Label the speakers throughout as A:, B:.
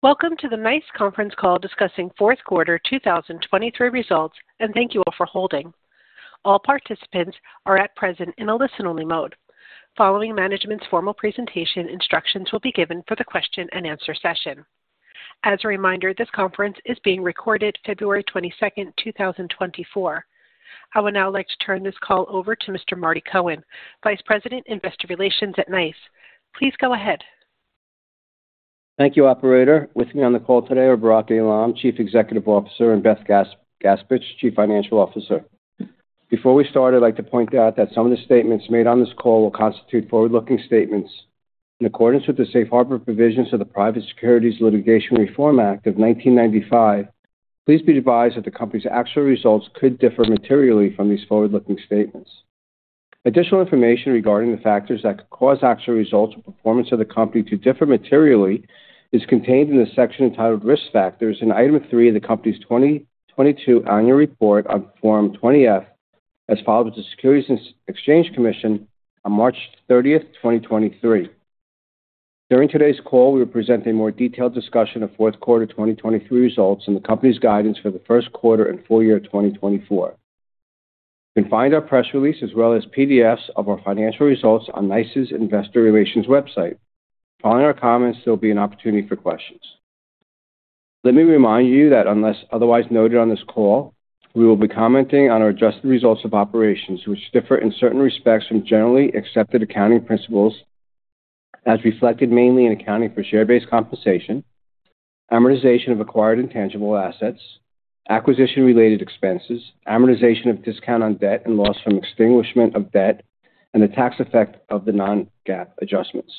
A: Welcome to the NICE conference call discussing Q4 2023 results, and thank you all for holding. All participants are at present in a listen-only mode. Following management's formal presentation, instructions will be given for the question-and-answer session. As a reminder, this conference is being recorded. February 22, 2024. I would now like to turn this call over to Mr. Marty Cohen, Vice President Investor Relations at NICE. Please go ahead.
B: Thank you, Operator. With me on the call today are Barak Eilam, Chief Executive Officer, and Beth Gaspich, Chief Financial Officer. Before we start, I'd like to point out that some of the statements made on this call will constitute forward-looking statements. In accordance with the Safe Harbor Provisions of the Private Securities Litigation Reform Act of 1995, please be advised that the company's actual results could differ materially from these forward-looking statements. Additional information regarding the factors that could cause actual results or performance of the company to differ materially is contained in the section entitled Risk Factors in Item 3 of the company's 2022 Annual Report on Form 20-F, as filed by the Securities and Exchange Commission on March 30, 2023. During today's call, we will present a more detailed discussion of Q4 2023 results and the company's guidance for the Q1 and full year of 2024. You can find our press release as well as PDFs of our financial results on NICE's Investor Relations website. Following our comments, there will be an opportunity for questions. Let me remind you that unless otherwise noted on this call, we will be commenting on our adjusted results of operations, which differ in certain respects from generally accepted accounting principles as reflected mainly in accounting for share-based compensation, amortization of acquired intangible assets, acquisition-related expenses, amortization of discount on debt and loss from extinguishment of debt, and the tax effect of the Non-GAAP adjustments.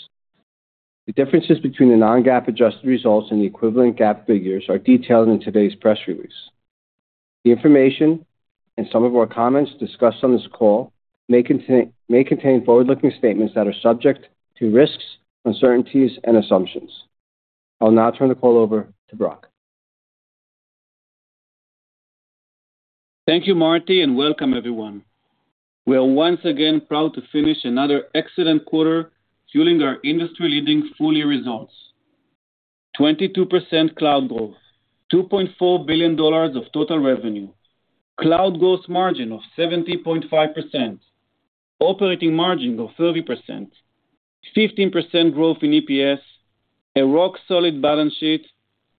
B: The differences between the Non-GAAP adjusted results and the equivalent GAAP figures are detailed in today's press release. The information and some of our comments discussed on this call may contain forward-looking statements that are subject to risks, uncertainties, and assumptions. I'll now turn the call over to Barak.
C: Thank you, Marty, and welcome, everyone. We are once again proud to finish another excellent quarter fueling our industry-leading full-year results. 22% cloud growth, $2.4 billion of total revenue, cloud gross margin of 70.5%, operating margin of 30%, 15% growth in EPS, a rock-solid balance sheet,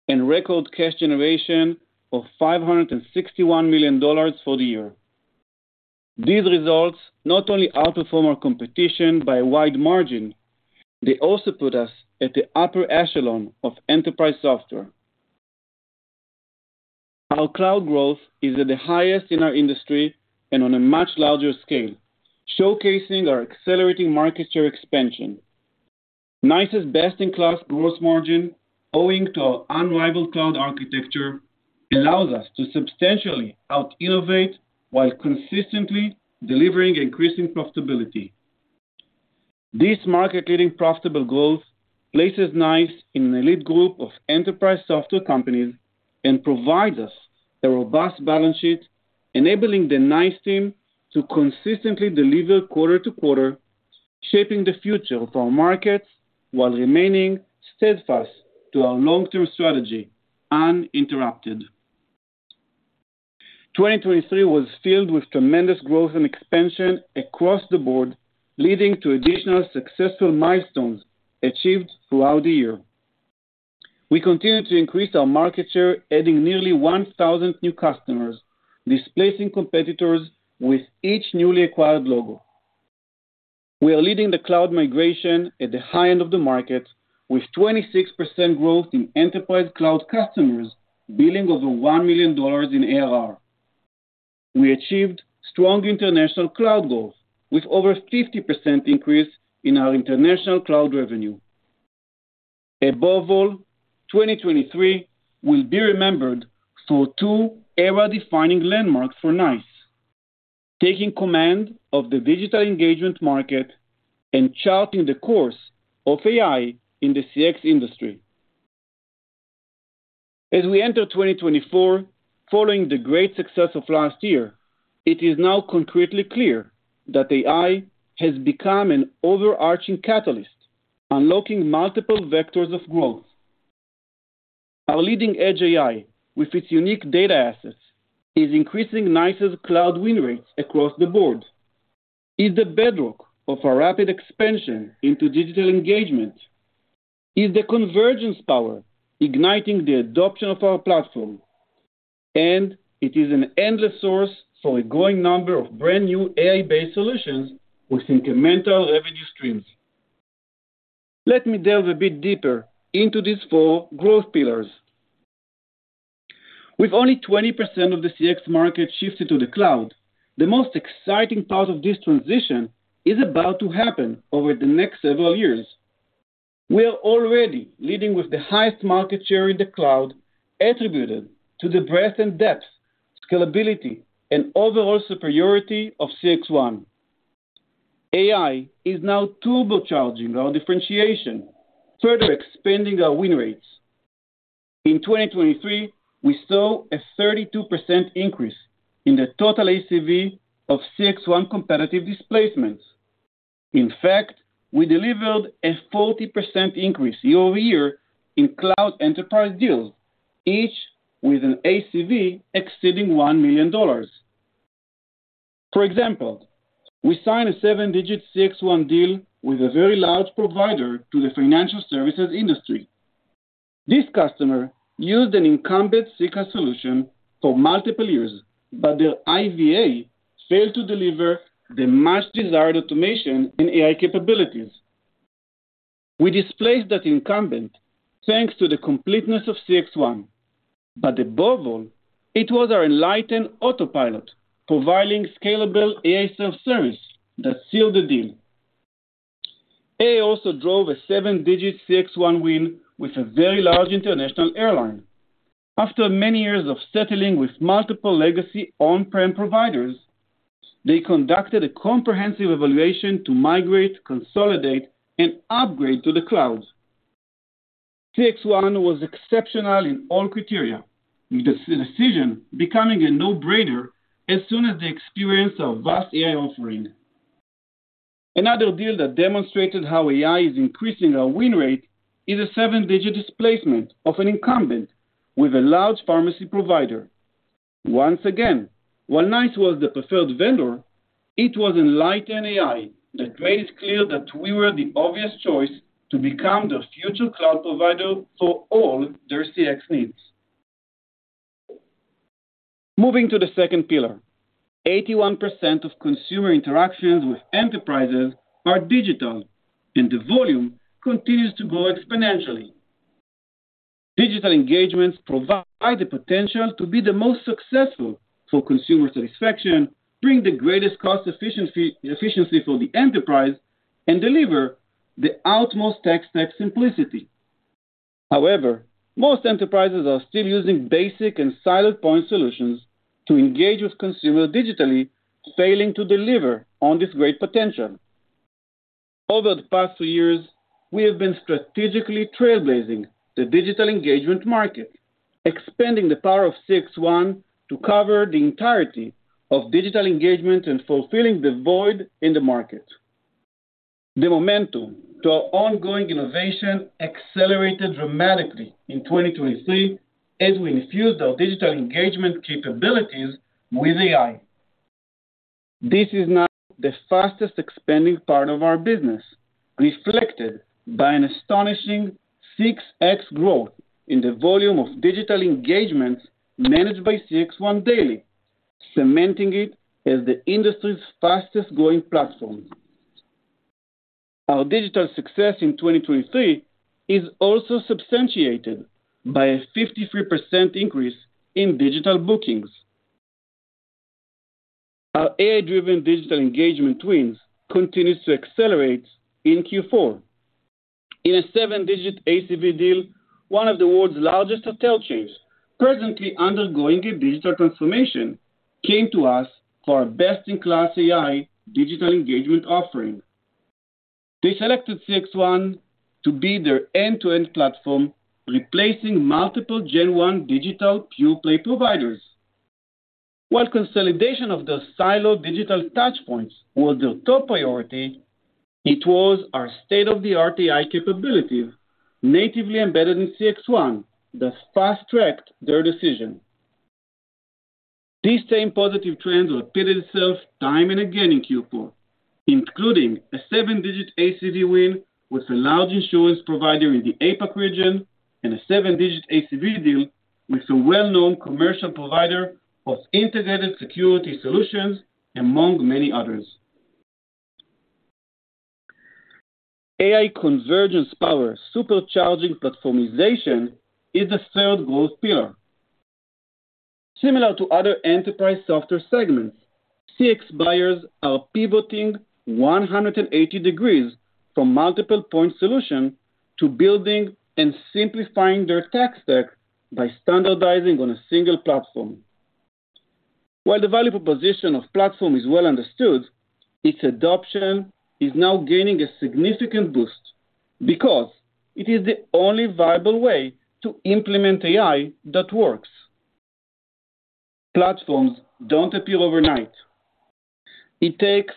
C: and record cash generation of $561 million for the year. These results not only outperform our competition by a wide margin. They also put us at the upper echelon of enterprise software. Our cloud growth is at the highest in our industry and on a much larger scale, showcasing our accelerating market share expansion. NICE's best-in-class gross margin, owing to our unrivaled cloud architecture, allows us to substantially out-innovate while consistently delivering increasing profitability. This market-leading profitable growth places NICE in an elite group of enterprise software companies and provides us a robust balance sheet, enabling the NICE team to consistently deliver quarter to quarter, shaping the future of our markets while remaining steadfast to our long-term strategy, uninterrupted. 2023 was filled with tremendous growth and expansion across the board, leading to additional successful milestones achieved throughout the year. We continue to increase our market share, adding nearly 1,000 new customers, displacing competitors with each newly acquired logo. We are leading the cloud migration at the high end of the market, with 26% growth in enterprise cloud customers billing over $1 million in ARR. We achieved strong international cloud growth, with over a 50% increase in our international cloud revenue. Above all, 2023 will be remembered for two era-defining landmarks for NICE: taking command of the digital engagement market and charting the course of AI in the CX industry. As we enter 2024, following the great success of last year, it is now concretely clear that AI has become an overarching catalyst, unlocking multiple vectors of growth. Our leading edge AI, with its unique data assets, is increasing NICE's cloud win rates across the board. It's the bedrock of our rapid expansion into digital engagement. It's the convergence power igniting the adoption of our platform. And it is an endless source for a growing number of brand-new AI-based solutions with incremental revenue streams. Let me delve a bit deeper into these four growth pillars. With only 20% of the CX market shifted to the cloud, the most exciting part of this transition is about to happen over the next several years. We are already leading with the highest market share in the cloud, attributed to the breadth and depth, scalability, and overall superiority of CXone. AI is now turbocharging our differentiation, further expanding our win rates. In 2023, we saw a 32% increase in the total ACV of CXone competitive displacements. In fact, we delivered a 40% increase year-over-year in cloud enterprise deals, each with an ACV exceeding $1 million. For example, we signed a seven-digit CXone deal with a very large provider to the financial services industry. This customer used an incumbent CCaaS solution for multiple years, but their IVA failed to deliver the much-desired automation and AI capabilities. We displaced that incumbent thanks to the completeness of CXone. But above all, it was our Enlighten Autopilot, providing scalable AI self-service, that sealed the deal. AI also drove a seven-digit CXone win with a very large international airline. After many years of settling with multiple legacy on-prem providers, they conducted a comprehensive evaluation to migrate, consolidate, and upgrade to the cloud. CXone was exceptional in all criteria, with the decision becoming a no-brainer as soon as they experienced our vast AI offering. Another deal that demonstrated how AI is increasing our win rate is a seven-digit displacement of an incumbent with a large pharmacy provider. Once again, while NICE was the preferred vendor, it was Enlighten AI that made it clear that we were the obvious choice to become the future cloud provider for all their CX needs. Moving to the second pillar, 81% of consumer interactions with enterprises are digital, and the volume continues to grow exponentially. Digital engagements provide the potential to be the most successful for consumer satisfaction, bring the greatest cost efficiency for the enterprise, and deliver the utmost tech stack simplicity. However, most enterprises are still using basic and silent point solutions to engage with consumers digitally, failing to deliver on this great potential. Over the past three years, we have been strategically trailblazing the digital engagement market, expanding the power of CXone to cover the entirety of digital engagement and fulfilling the void in the market. The momentum to our ongoing innovation accelerated dramatically in 2023 as we infused our digital engagement capabilities with AI. This is now the fastest expanding part of our business, reflected by an astonishing 6X growth in the volume of digital engagements managed by CXone daily, cementing it as the industry's fastest-growing platform. Our digital success in 2023 is also substantiated by a 53% increase in digital bookings. Our AI-driven digital engagement wins continue to accelerate in Q4. In a seven-digit ACV deal, one of the world's largest hotel chains, presently undergoing a digital transformation, came to us for our best-in-class AI digital engagement offering. They selected CXone to be their end-to-end platform, replacing multiple Gen 1 digital pure-play providers. While consolidation of their siloed digital touchpoints was their top priority, it was our state-of-the-art AI capability, natively embedded in CXone, that fast-tracked their decision. This same positive trend repeated itself time and again in Q4, including a seven-digit ACV win with a large insurance provider in the APAC region and a seven-digit ACV deal with a well-known commercial provider of integrated security solutions, among many others. AI convergence power, supercharging platformization, is the third growth pillar. Similar to other enterprise software segments, CX buyers are pivoting 180 degrees from multiple-point solutions to building and simplifying their tech stack by standardizing on a single platform. While the value proposition of platform is well understood, its adoption is now gaining a significant boost because it is the only viable way to implement AI that works. Platforms don't appear overnight. It takes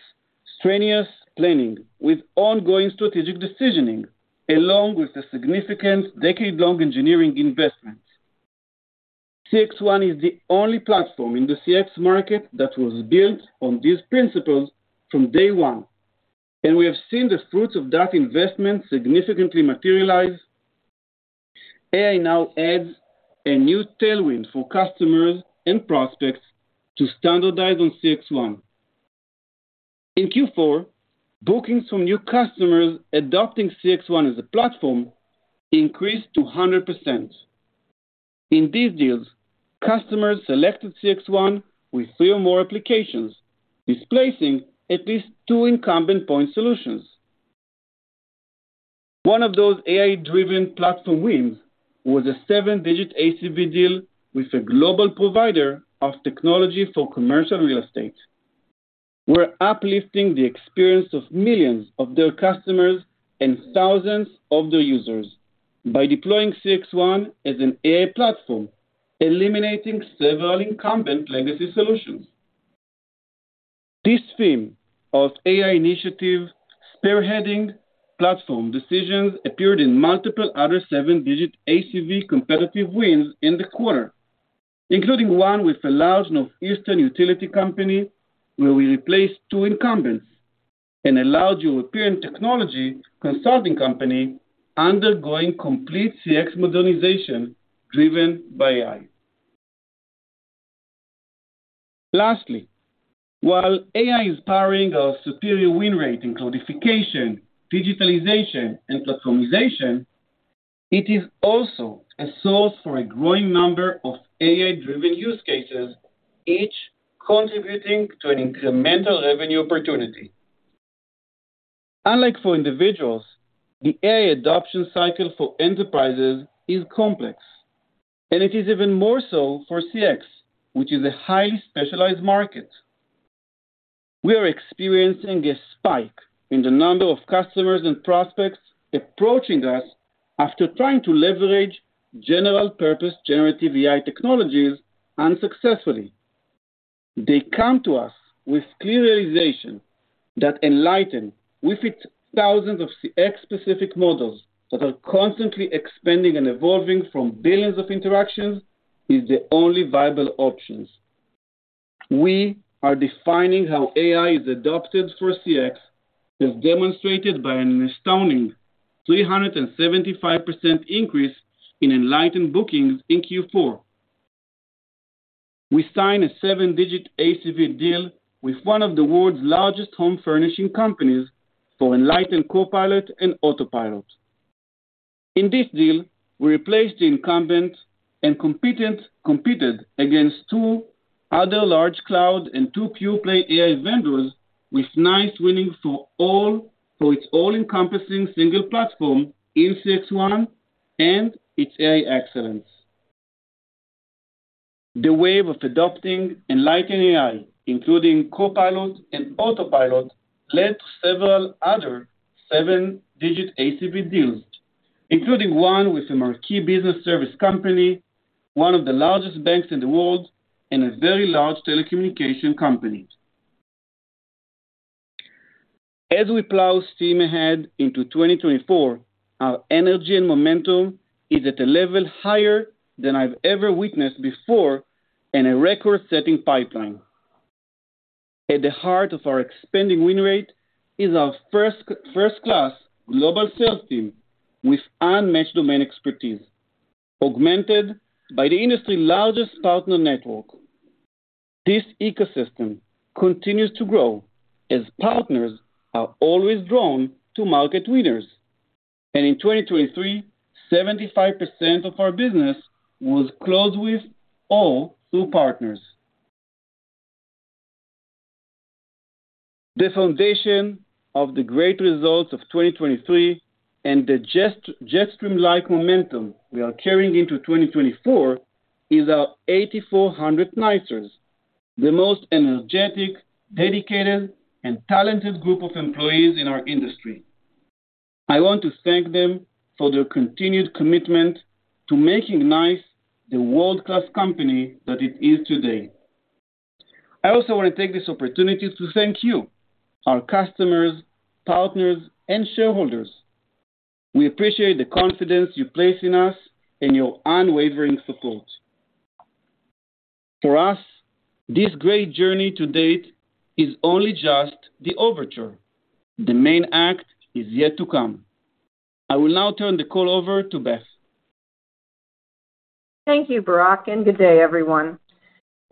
C: strenuous planning with ongoing strategic decisioning, along with a significant decade-long engineering investment. CXone is the only platform in the CX market that was built on these principles from day one, and we have seen the fruits of that investment significantly materialize. AI now adds a new tailwind for customers and prospects to standardize on CXone. In Q4, bookings from new customers adopting CXone as a platform increased 200%. In these deals, customers selected CXone with three or more applications, displacing at least two incumbent point solutions. One of those AI-driven platform wins was a seven-digit ACV deal with a global provider of technology for commercial real estate. We're uplifting the experience of millions of their customers and thousands of their users by deploying CXone as an AI platform, eliminating several incumbent legacy solutions. This theme of AI initiative, spearheading platform decisions, appeared in multiple other seven-digit ACV competitive wins in the quarter, including one with a large Northeastern utility company where we replaced two incumbents, and a larger European technology consulting company undergoing complete CX modernization driven by AI. Lastly, while AI is powering our superior win rate in cloudification, digitalization, and platformization, it is also a source for a growing number of AI-driven use cases, each contributing to an incremental revenue opportunity. Unlike for individuals, the AI adoption cycle for enterprises is complex, and it is even more so for CX, which is a highly specialized market. We are experiencing a spike in the number of customers and prospects approaching us after trying to leverage general-purpose generative AI technologies unsuccessfully. They come to us with clear realization that Enlighten with its thousands of CX-specific models that are constantly expanding and evolving from billions of interactions is the only viable option. We are defining how AI is adopted for CX, as demonstrated by an astounding 375% increase in Enlighten bookings in Q4. We signed a seven-digit ACV deal with one of the world's largest home furnishing companies for Enlighten Copilot and Autopilot. In this deal, we replaced the incumbent and competed against two other large cloud and two pure-play AI vendors, with NICE winning for its all-encompassing single platform in CXone and its AI excellence. The wave of adopting Enlighten AI, including Copilot and Autopilot, led to several other seven-digit ACV deals, including one with a marquee business service company, one of the largest banks in the world, and a very large telecommunication company. As we full steam ahead into 2024, our energy and momentum is at a level higher than I've ever witnessed before in a record-setting pipeline. At the heart of our expanding win rate is our first-class global sales team with unmatched domain expertise, augmented by the industry's largest partner network. This ecosystem continues to grow as partners are always drawn to market winners. In 2023, 75% of our business was closed with or through partners. The foundation of the great results of 2023 and the Jetstream-like momentum we are carrying into 2024 is our 8,400 NICErs, the most energetic, dedicated, and talented group of employees in our industry. I want to thank them for their continued commitment to making NICE the world-class company that it is today. I also want to take this opportunity to thank you, our customers, partners, and shareholders. We appreciate the confidence you place in us and your unwavering support. For us, this great journey to date is only just the overture. The main act is yet to come. I will now turn the call over to Beth.
D: Thank you, Barak, and good day, everyone.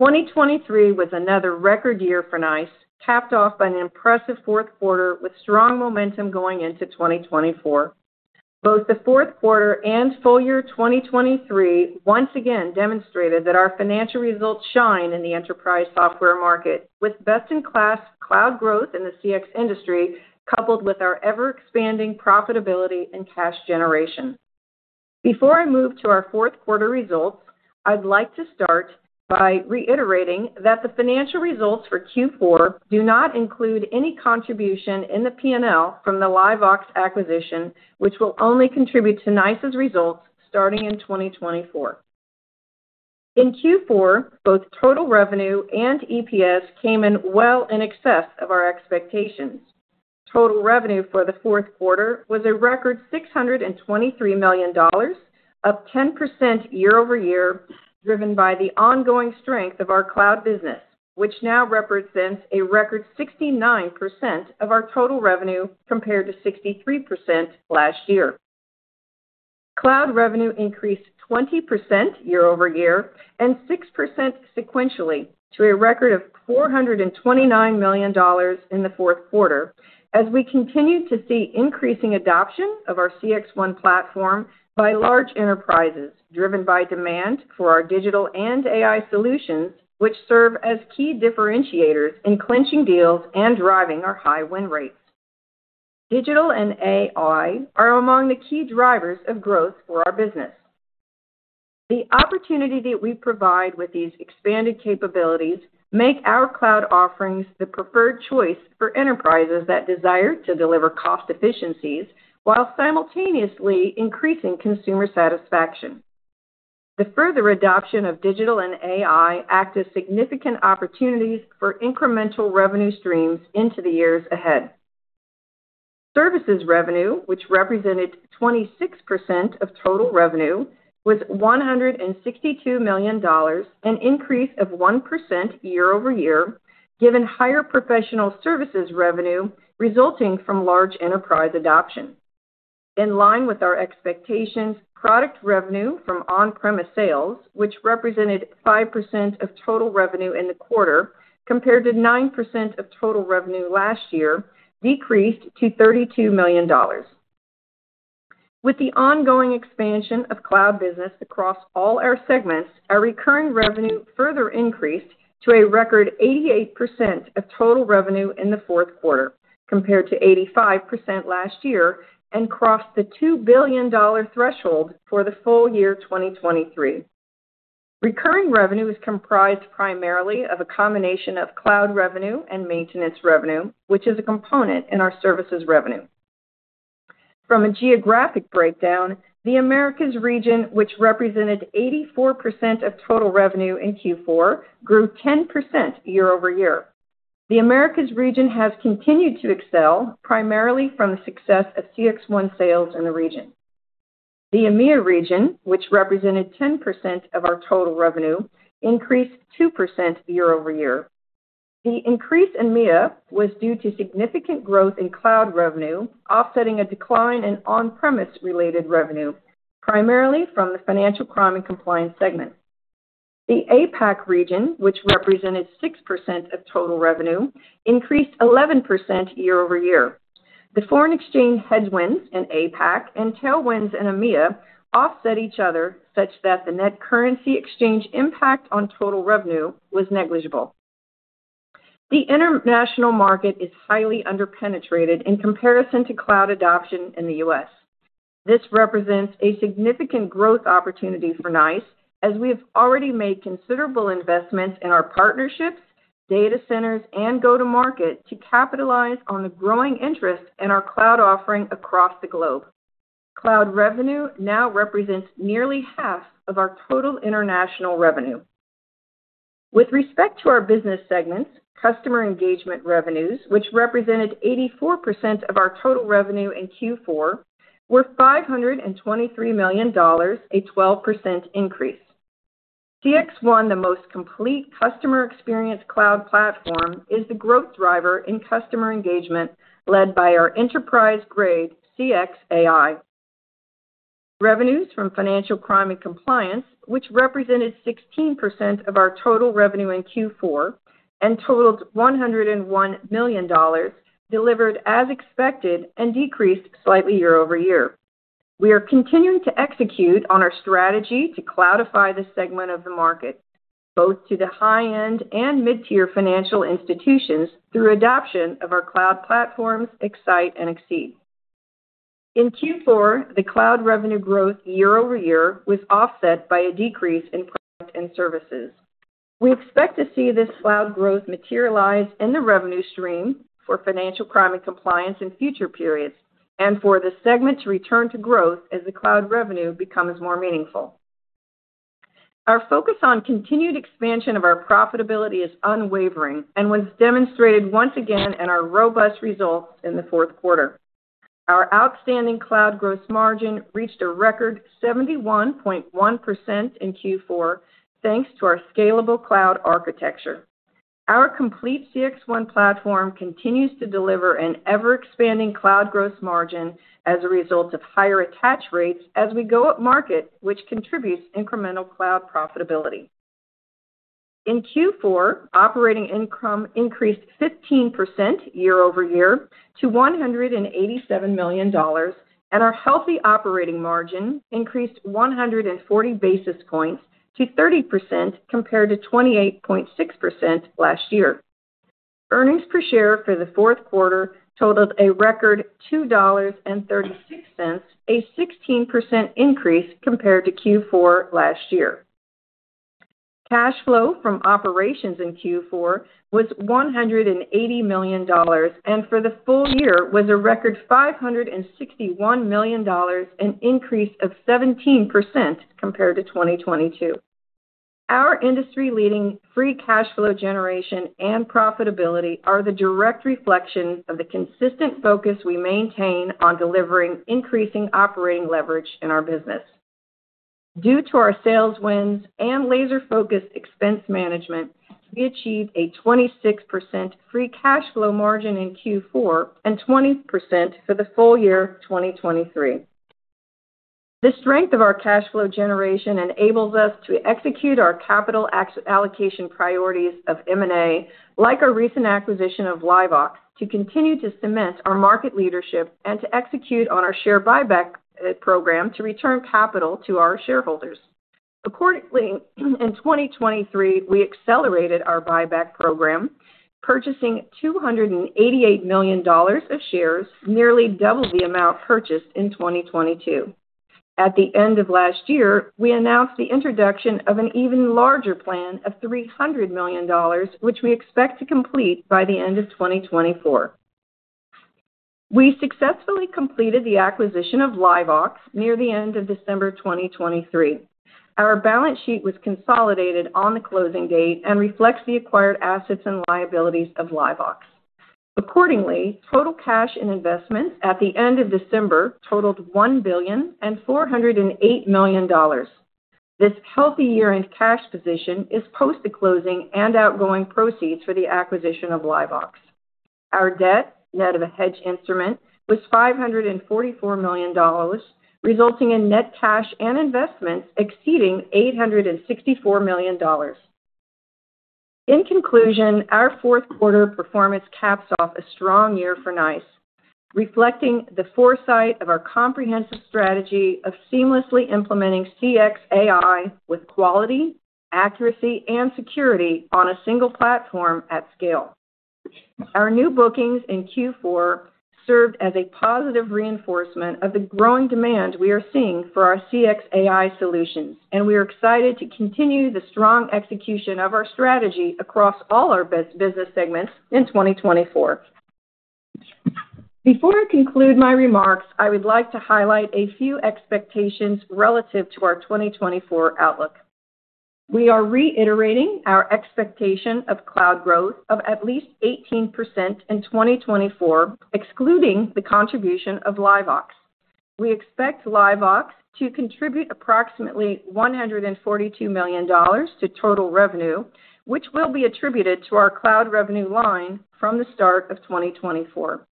D: 2023 was another record year for NICE, capped off by an impressive Q4 with strong momentum going into 2024. Both the Q4 and full year 2023 once again demonstrated that our financial results shine in the enterprise software market, with best-in-class cloud growth in the CX industry coupled with our ever-expanding profitability and cash generation. Before I move to our Q4 results, I'd like to start by reiterating that the financial results for Q4 do not include any contribution in the P&L from the LiveVox acquisition, which will only contribute to NICE's results starting in 2024. In Q4, both total revenue and EPS came in well in excess of our expectations. Total revenue for the Q4 was a record $623 million, up 10% year-over-year, driven by the ongoing strength of our cloud business, which now represents a record 69% of our total revenue compared to 63% last year. Cloud revenue increased 20% year-over-year and 6% sequentially to a record of $429 million in the Q4, as we continue to see increasing adoption of our CXone platform by large enterprises driven by demand for our digital and AI solutions, which serve as key differentiators in clinching deals and driving our high win rates. Digital and AI are among the key drivers of growth for our business. The opportunity that we provide with these expanded capabilities makes our cloud offerings the preferred choice for enterprises that desire to deliver cost efficiencies while simultaneously increasing consumer satisfaction. The further adoption of digital and AI acts as significant opportunities for incremental revenue streams into the years ahead. Services revenue, which represented 26% of total revenue, was $162 million, an increase of 1% year-over-year, given higher professional services revenue resulting from large enterprise adoption. In line with our expectations, product revenue from on-premise sales, which represented 5% of total revenue in the quarter compared to 9% of total revenue last year, decreased to $32 million. With the ongoing expansion of cloud business across all our segments, our recurring revenue further increased to a record 88% of total revenue in the Q4 compared to 85% last year and crossed the $2 billion threshold for the full year 2023. Recurring revenue is comprised primarily of a combination of cloud revenue and maintenance revenue, which is a component in our services revenue. From a geographic breakdown, the Americas region, which represented 84% of total revenue in Q4, grew 10% year-over-year. The Americas region has continued to excel primarily from the success of CXone sales in the region. The EMEA region, which represented 10% of our total revenue, increased 2% year-over-year. The increase in EMEA was due to significant growth in cloud revenue, offsetting a decline in on-premise-related revenue, primarily from the financial crime and compliance segment. The APAC region, which represented 6% of total revenue, increased 11% year-over-year. The foreign exchange headwinds in APAC and tailwinds in EMEA offset each other such that the net currency exchange impact on total revenue was negligible. The international market is highly underpenetrated in comparison to cloud adoption in the U.S. This represents a significant growth opportunity for NICE, as we have already made considerable investments in our partnerships, data centers, and go-to-market to capitalize on the growing interest in our cloud offering across the globe. Cloud revenue now represents nearly half of our total international revenue. With respect to our business segments, customer engagement revenues, which represented 84% of our total revenue in Q4, were $523 million, a 12% increase. CXone, the most complete customer experience cloud platform, is the growth driver in customer engagement led by our enterprise-grade CX AI. Revenues from financial crime and compliance, which represented 16% of our total revenue in Q4 and totaled $101 million, delivered as expected and decreased slightly year-over-year. We are continuing to execute on our strategy to cloudify this segment of the market, both to the high-end and mid-tier financial institutions, through adoption of our cloud platforms X-Sight and Xceed. In Q4, the cloud revenue growth year-over-year was offset by a decrease in product and services. We expect to see this cloud growth materialize in the revenue stream for financial crime and compliance in future periods and for the segment to return to growth as the cloud revenue becomes more meaningful. Our focus on continued expansion of our profitability is unwavering and was demonstrated once again in our robust results in the Q4. Our outstanding cloud gross margin reached a record 71.1% in Q4 thanks to our scalable cloud architecture. Our complete CXone platform continues to deliver an ever-expanding cloud gross margin as a result of higher attach rates as we go up market, which contributes incremental cloud profitability. In Q4, operating income increased 15% year-over-year to $187 million, and our healthy operating margin increased 140 basis points to 30% compared to 28.6% last year. Earnings per share for the Q4 totaled a record $2.36, a 16% increase compared to Q4 last year. Cash flow from operations in Q4 was $180 million, and for the full year was a record $561 million, an increase of 17% compared to 2022. Our industry-leading free cash flow generation and profitability are the direct reflection of the consistent focus we maintain on delivering increasing operating leverage in our business. Due to our sales wins and laser-focused expense management, we achieved a 26% free cash flow margin in Q4 and 20% for the full year 2023. The strength of our cash flow generation enables us to execute our capital allocation priorities of M&A, like our recent acquisition of LiveVox, to continue to cement our market leadership and to execute on our share buyback program to return capital to our shareholders. Accordingly, in 2023, we accelerated our buyback program, purchasing $288 million of shares, nearly double the amount purchased in 2022. At the end of last year, we announced the introduction of an even larger plan of $300 million, which we expect to complete by the end of 2024. We successfully completed the acquisition of LiveVox near the end of December 2023. Our balance sheet was consolidated on the closing date and reflects the acquired assets and liabilities of LiveVox. Accordingly, total cash and investments at the end of December totaled $1 billion and $408 million. This healthy year-end cash position is post the closing and outgoing proceeds for the acquisition of LiveVox. Our debt, net of a hedge instrument, was $544 million, resulting in net cash and investments exceeding $864 million. In conclusion, our Q4 performance caps off a strong year for NICE, reflecting the foresight of our comprehensive strategy of seamlessly implementing CX AI with quality, accuracy, and security on a single platform at scale. Our new bookings in Q4 served as a positive reinforcement of the growing demand we are seeing for our CX AI solutions, and we are excited to continue the strong execution of our strategy across all our business segments in 2024. Before I conclude my remarks, I would like to highlight a few expectations relative to our 2024 outlook. We are reiterating our expectation of cloud growth of at least 18% in 2024, excluding the contribution of LiveVox. We expect LiveVox to contribute approximately $142 million to total revenue, which will be attributed to our cloud revenue line from the start of 2024.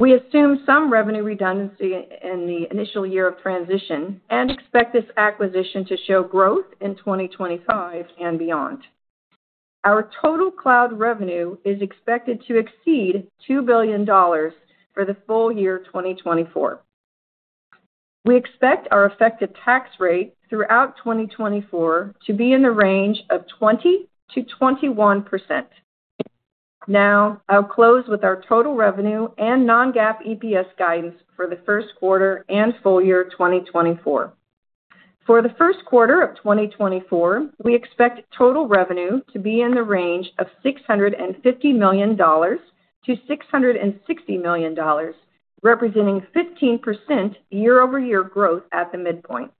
D: We assume some revenue redundancy in the initial year of transition and expect this acquisition to show growth in 2025 and beyond. Our total cloud revenue is expected to exceed $2 billion for the full year 2024. We expect our effective tax rate throughout 2024 to be in the range of 20%-21%. Now, I'll close with our total revenue and non-GAAP EPS guidance for the Q1 and full year 2024. For the Q1 of 2024, we expect total revenue to be in the range of $650 million-$660 million, representing 15% year-over-year growth at the midpoint.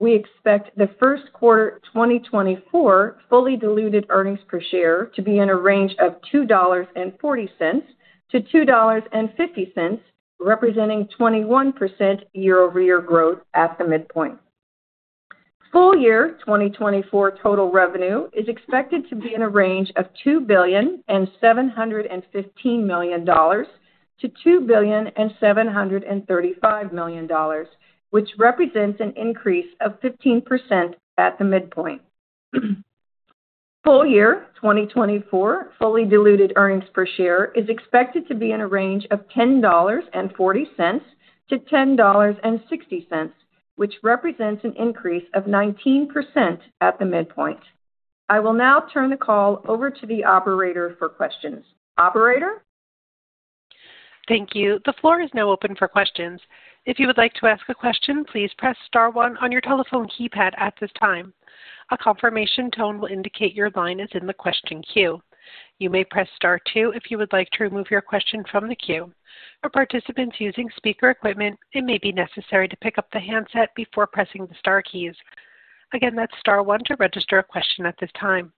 D: We expect the Q1 2024 fully diluted earnings per share to be in a range of $2.40-$2.50, representing 21% year-over-year growth at the midpoint. Full year 2024 total revenue is expected to be in a range of $2,715,000-$2,735,000, which represents an increase of 15% at the midpoint. Full year 2024 fully diluted earnings per share is expected to be in a range of $10.40-$10.60, which represents an increase of 19% at the midpoint. I will now turn the call over to the operator for questions. Operator?
A: Thank you. The floor is now open for questions. If you would like to ask a question, please press star one on your telephone keypad at this time. A confirmation tone will indicate your line is in the question queue. You may press star two if you would like to remove your question from the queue. For participants using speaker equipment, it may be necessary to pick up the handset before pressing the star keys. Again, that's star one to register a question at this time.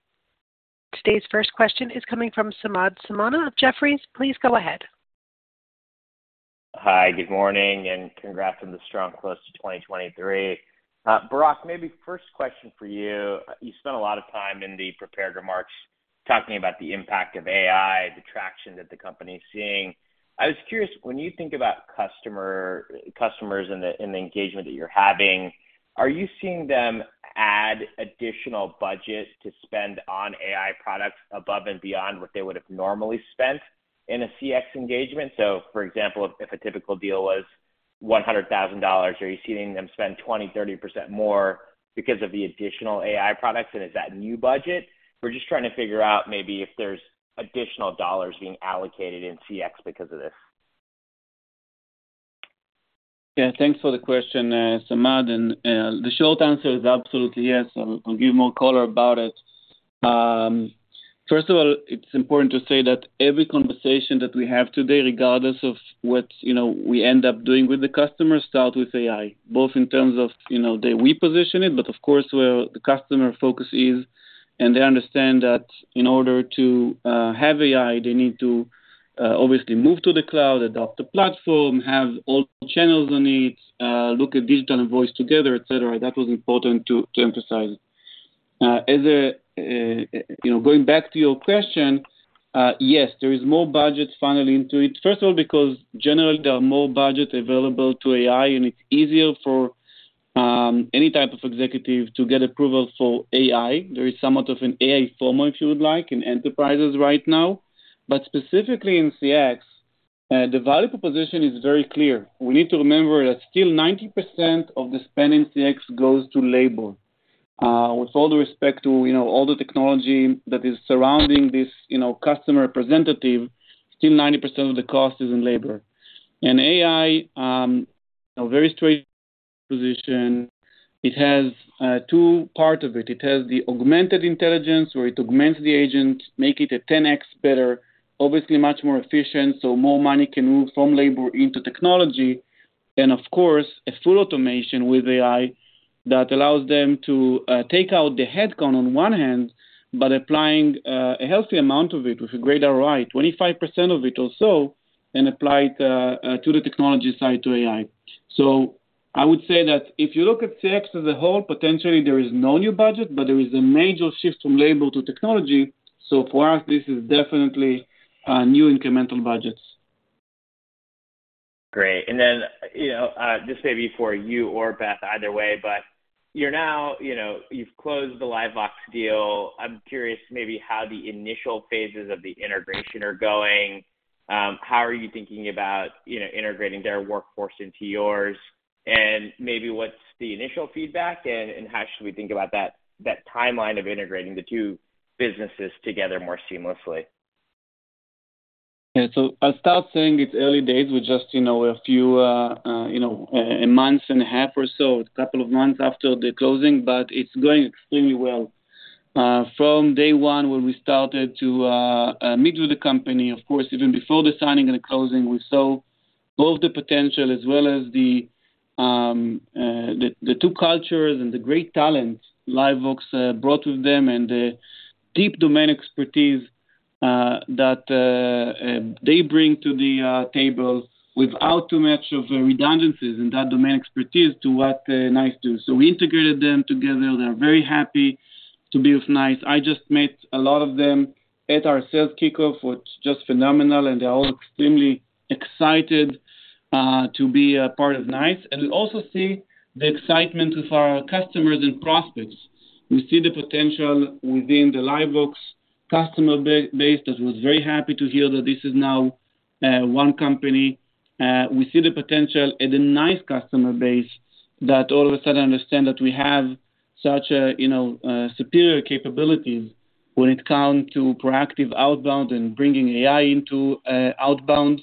A: Today's first question is coming from Samad. Samad of Jefferies, please go ahead.
E: Hi, good morning, and congrats on the strong close to 2023. Barak, maybe first question for you. You spent a lot of time in the prepared remarks talking about the impact of AI, the traction that the company is seeing. I was curious, when you think about customers and the engagement that you're having, are you seeing them add additional budget to spend on AI products above and beyond what they would have normally spent in a CX engagement? So, for example, if a typical deal was $100,000, are you seeing them spend 20%, 30% more because of the additional AI products, and is that new budget? We're just trying to figure out maybe if there's additional dollars being allocated in CX because of this.
C: Yeah, thanks for the question, Samad. And the short answer is absolutely yes. I'll give more color about it. First of all, it's important to say that every conversation that we have today, regardless of what we end up doing with the customer, starts with AI, both in terms of the way we position it, but of course where the customer focus is, and they understand that in order to have AI, they need to obviously move to the cloud, adopt the platform, have all channels on it, look at digital and voice together, etc. That was important to emphasize. Going back to your question, yes, there is more budget funneled into it. First of all, because generally there are more budgets available to AI, and it's easier for any type of executive to get approval for AI. There is somewhat of an AI FOMO, if you would like, in enterprises right now. But specifically in CX, the value proposition is very clear. We need to remember that still 90% of the spend in CX goes to labor. With all the respect to all the technology that is surrounding this customer representative, still 90% of the cost is in labor. And AI, a very straight position. It has two parts of it. It has the augmented intelligence where it augments the agent, makes it a 10x better, obviously much more efficient, so more money can move from labor into technology. Of course, a full automation with AI that allows them to take out the headcount on one hand, but applying a healthy amount of it with greater ROI, 25% of it also, and apply it to the technology side to AI. So I would say that if you look at CX as a whole, potentially there is no new budget, but there is a major shift from labor to technology. So for us, this is definitely new incremental budgets.
E: Great. Then just maybe for you or Beth, either way, but you've closed the LiveVox deal. I'm curious maybe how the initial phases of the integration are going. How are you thinking about integrating their workforce into yours? And maybe what's the initial feedback, and how should we think about that timeline of integrating the two businesses together more seamlessly?
C: Yeah, so I'll start saying it's early days. We're just a few months and a half or so, a couple of months after the closing, but it's going extremely well. From day one when we started to meet with the company, of course, even before the signing and the closing, we saw both the potential as well as the two cultures and the great talent LiveVox brought with them and the deep domain expertise that they bring to the table without too much of redundancies in that domain expertise to what NICE does. So we integrated them together. They're very happy to be with NICE. I just met a lot of them at our sales kickoff, which was just phenomenal, and they're all extremely excited to be a part of NICE. And we also see the excitement with our customers and prospects. We see the potential within the LiveVox customer base that was very happy to hear that this is now one company. We see the potential in the NICE customer base that all of a sudden understand that we have such superior capabilities when it comes to proactive outbound and bringing AI into outbound.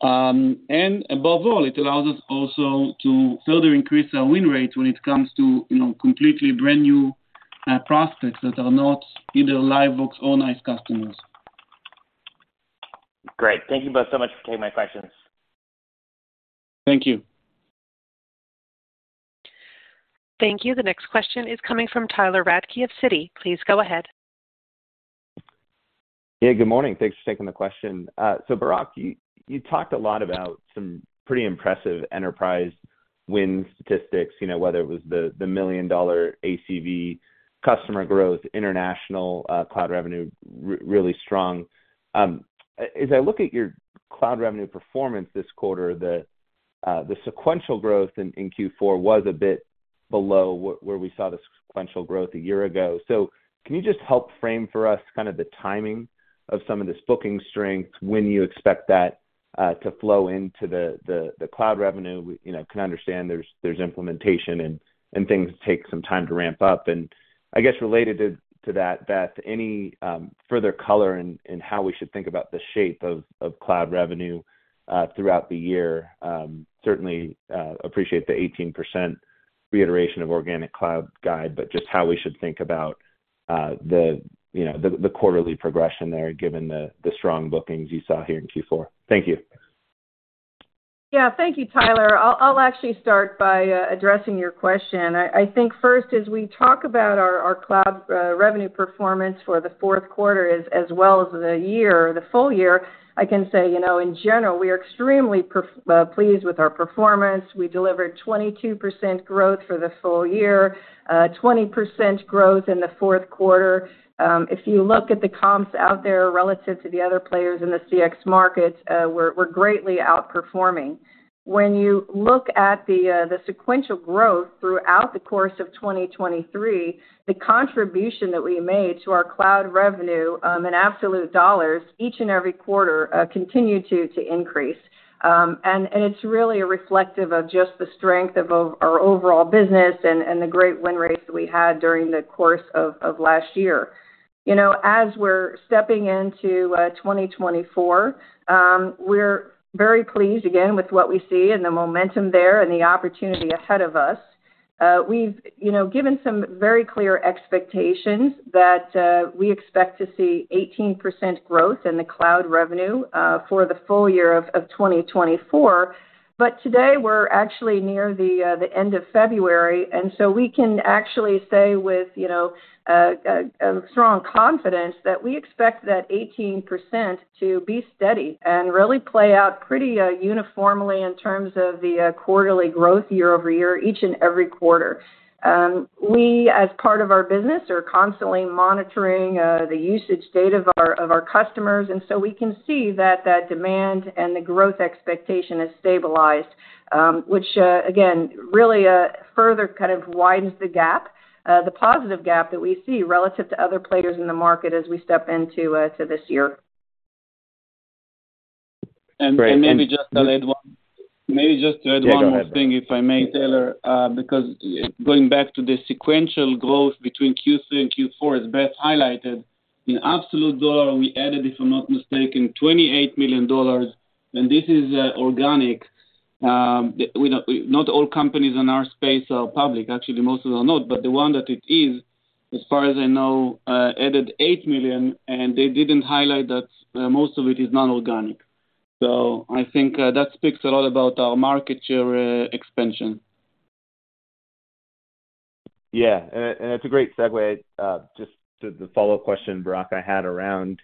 C: And above all, it allows us also to further increase our win rates when it comes to completely brand new prospects that are not either LiveVox or NICE customers.
E: Great. Thank you both so much for taking my questions. Thank you.
A: Thank you. The next question is coming from Tyler Radke of Citi. Please go ahead.
F: Yeah, good morning. Thanks for taking the question. So Barak, you talked a lot about some pretty impressive enterprise win statistics, whether it was the $1 million ACV, customer growth, international cloud revenue, really strong.
A: As I look at your cloud revenue performance this quarter, the sequential growth in Q4 was a bit below where we saw the sequential growth a year ago. So can you just help frame for us kind of the timing of some of this booking strength, when you expect that to flow into the cloud revenue? I can understand there's implementation and things take some time to ramp up. And I guess related to that, Beth, any further color in how we should think about the shape of cloud revenue throughout the year? Certainly appreciate the 18% reiteration of organic cloud guide, but just how we should think about the quarterly progression there given the strong bookings you saw here in Q4. Thank you.
D: Yeah, thank you, Tyler. I'll actually start by addressing your question. I think first, as we talk about our cloud revenue performance for the Q4 as well as the year, the full year, I can say, in general, we are extremely pleased with our performance. We delivered 22% growth for the full year, 20% growth in the Q4. If you look at the comps out there relative to the other players in the CX market, we're greatly outperforming. When you look at the sequential growth throughout the course of 2023, the contribution that we made to our cloud revenue in absolute dollars each and every quarter continued to increase. And it's really a reflection of just the strength of our overall business and the great win rates that we had during the course of last year. As we're stepping into 2024, we're very pleased, again, with what we see and the momentum there and the opportunity ahead of us. We've given some very clear expectations that we expect to see 18% growth in the cloud revenue for the full year of 2024. But today, we're actually near the end of February, and so we can actually say with strong confidence that we expect that 18% to be steady and really play out pretty uniformly in terms of the quarterly growth year-over-year, each and every quarter. We, as part of our business, are constantly monitoring the usage data of our customers, and so we can see that that demand and the growth expectation has stabilized, which, again, really further kind of widens the gap, the positive gap that we see relative to other players in the market as we step into this year.
C: And maybe just to add one maybe just to add one more thing, if I may, Tyler, because going back to the sequential growth between Q3 and Q4, as Beth highlighted, in absolute dollar, we added, if I'm not mistaken, $28 million. And this is organic. Not all companies in our space are public. Actually, most of them are not. But the one that it is, as far as I know, added $8 million, and they didn't highlight that most of it is non-organic. So I think that speaks a lot about our market share expansion.
E: Yeah. And that's a great segue. Just to the follow-up question, Barak, I had around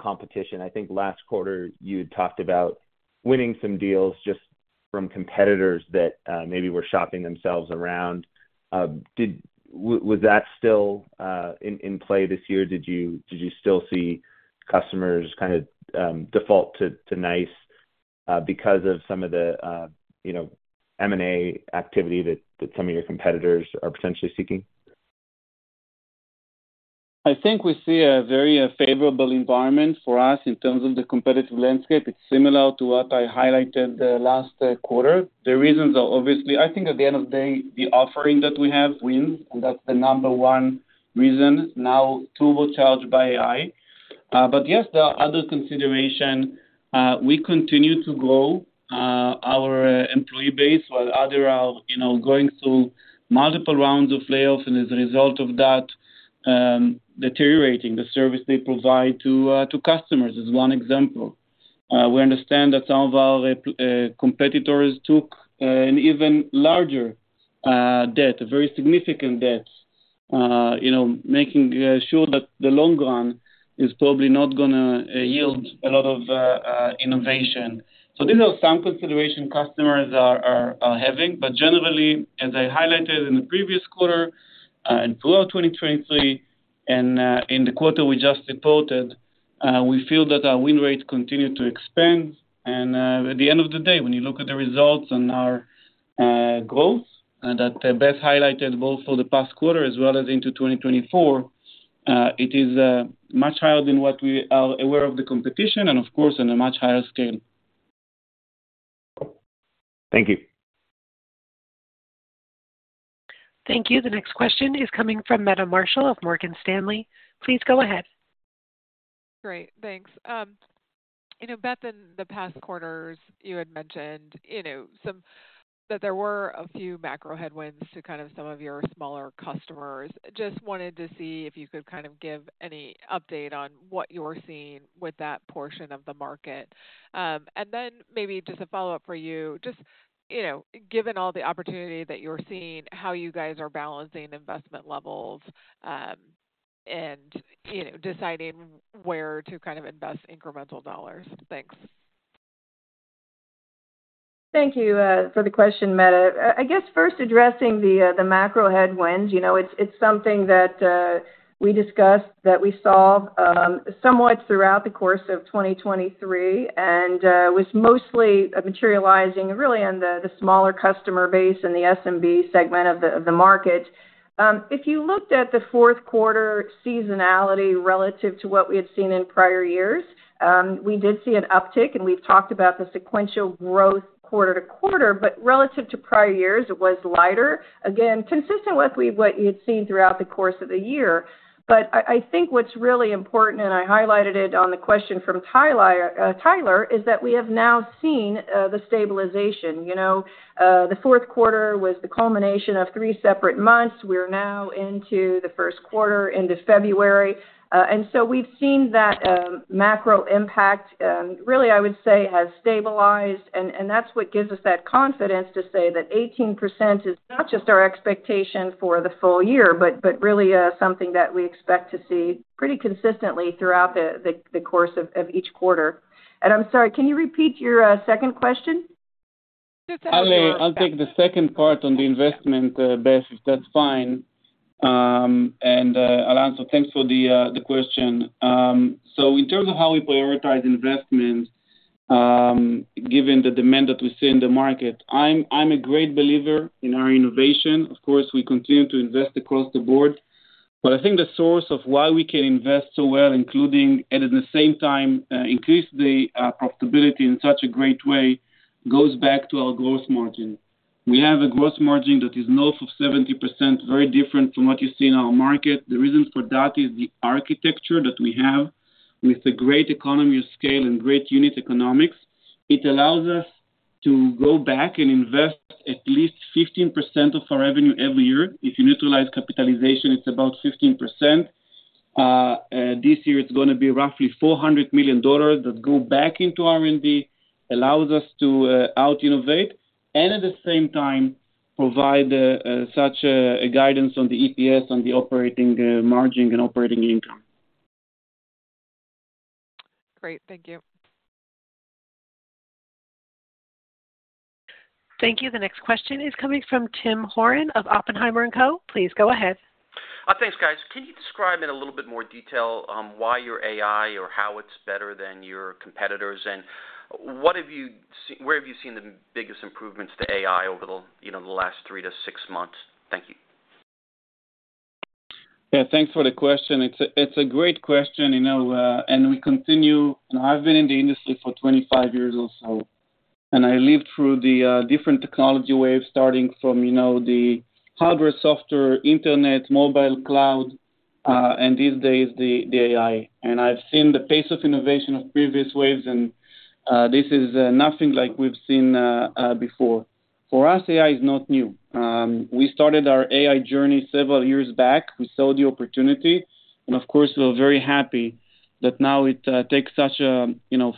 E: competition. I think last quarter, you had talked about winning some deals just from competitors that maybe were shopping themselves around. Was that still in play this year? Did you still see customers kind of default to NICE because of some of the M&A activity that some of your competitors are potentially seeking?
A: I think we see a very favorable environment for us in terms of the competitive landscape. It's similar to what I highlighted last quarter. The reasons are obviously I think at the end of the day, the offering that we have wins, and that's the number one reason now, turbocharged by AI. But yes, there are other considerations. We continue to grow our employee base, while others are going through multiple rounds of layoffs and, as a result of that, deteriorating the service they provide to customers is one example. We understand that some of our competitors took an even larger debt, a very significant debt, making sure that the long run is probably not going to yield a lot of innovation. So these are some considerations customers are having. But generally, as I highlighted in the previous quarter and throughout 2023 and in the quarter we just reported, we feel that our win rates continue to expand. And at the end of the day, when you look at the results on our growth that Beth highlighted both for the past quarter as well as into 2024, it is much higher than what we are aware of the competition and, of course, on a much higher scale. Thank you. Thank you. The next question is coming from Meta Marshall of Morgan Stanley. Please go ahead.
G: Great. Thanks. Beth, in the past quarters, you had mentioned that there were a few macro headwinds to kind of some of your smaller customers. Just wanted to see if you could kind of give any update on what you're seeing with that portion of the market. Then maybe just a follow-up for you, just given all the opportunity that you're seeing, how you guys are balancing investment levels and deciding where to kind of invest incremental dollars. Thanks.
D: Thank you for the question, Meta. I guess first addressing the macro headwinds, it's something that we discussed, that we saw somewhat throughout the course of 2023 and was mostly materializing really in the smaller customer base and the SMB segment of the market. If you looked at the Q4 seasonality relative to what we had seen in prior years, we did see an uptick, and we've talked about the sequential growth quarter to quarter, but relative to prior years, it was lighter, again, consistent with what you had seen throughout the course of the year. But I think what's really important, and I highlighted it on the question from Tyler, is that we have now seen the stabilization. The Q4 was the culmination of three separate months. We're now into the Q1, into February. And so we've seen that macro impact, really, I would say, has stabilized, and that's what gives us that confidence to say that 18% is not just our expectation for the full year, but really something that we expect to see pretty consistently throughout the course of each quarter. And I'm sorry, can you repeat your second question?
G: Just a second.
C: I'll take the second part on the investment, Beth, if that's fine. And also, thanks for the question. So in terms of how we prioritize investments, given the demand that we see in the market, I'm a great believer in our innovation. Of course, we continue to invest across the board. But I think the source of why we can invest so well, including and at the same time increase the profitability in such a great way, goes back to our gross margin. We have a gross margin that is north of 70%, very different from what you see in our market. The reason for that is the architecture that we have with the great economy of scale and great unit economics. It allows us to go back and invest at least 15% of our revenue every year. If you neutralize capitalization, it's about 15%. This year, it's going to be roughly $400 million that go back into R&D, allows us to out-innovate, and at the same time, provide such guidance on the EPS, on the operating margin, and operating income. Great. Thank you. Thank you. The next question is coming from Tim Horan of Oppenheimer & Co. Please go ahead.
H: Thanks, guys. Can you describe in a little bit more detail why your AI or how it's better than your competitors? And where have you seen the biggest improvements to AI over the last 3-6 months? Thank you.
A: Yeah, thanks for the question. It's a great question, and we continue and I've been in the industry for 25 years or so, and I lived through the different technology waves, starting from the hardware, software, internet, mobile cloud, and these days, the AI. And I've seen the pace of innovation of previous waves, and this is nothing like we've seen before. For us, AI is not new. We started our AI journey several years back. We saw the opportunity, and of course, we're very happy that now it takes such a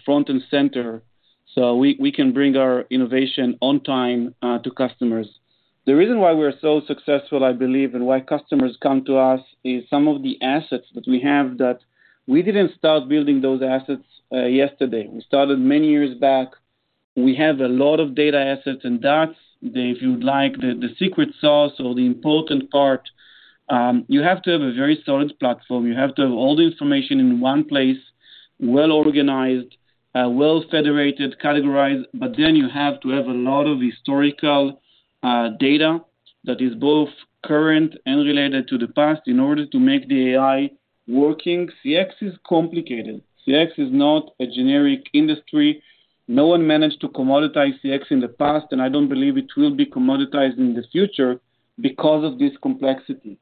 A: front and center so we can bring our innovation on time to customers. The reason why we are so successful, I believe, and why customers come to us is some of the assets that we have that we didn't start building those assets yesterday. We started many years back. We have a lot of data assets, and that's, if you would like, the secret sauce or the important part. You have to have a very solid platform. You have to have all the information in one place, well-organized, well-federated, categorized, but then you have to have a lot of historical data that is both current and related to the past in order to make the AI working. CX is complicated. CX is not a generic industry. No one managed to commoditize CX in the past, and I don't believe it will be commoditized in the future because of this complexity.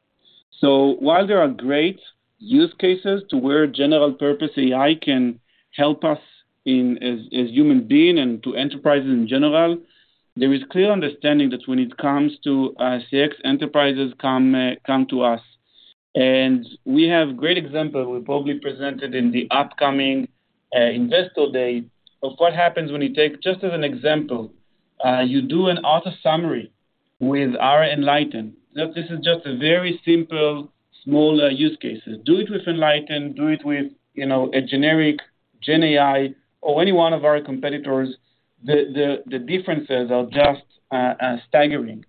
A: So while there are great use cases to where general-purpose AI can help us as human beings and to enterprises in general, there is clear understanding that when it comes to CX, enterprises come to us. And we have a great example we probably presented in the upcoming Investor Day of what happens when you take just as an example, you do an AutoSummary with our Enlighten. This is just a very simple, smaller use case. Do it with Enlighten. Do it with a generic GenAI or any one of our competitors. The differences are just staggering.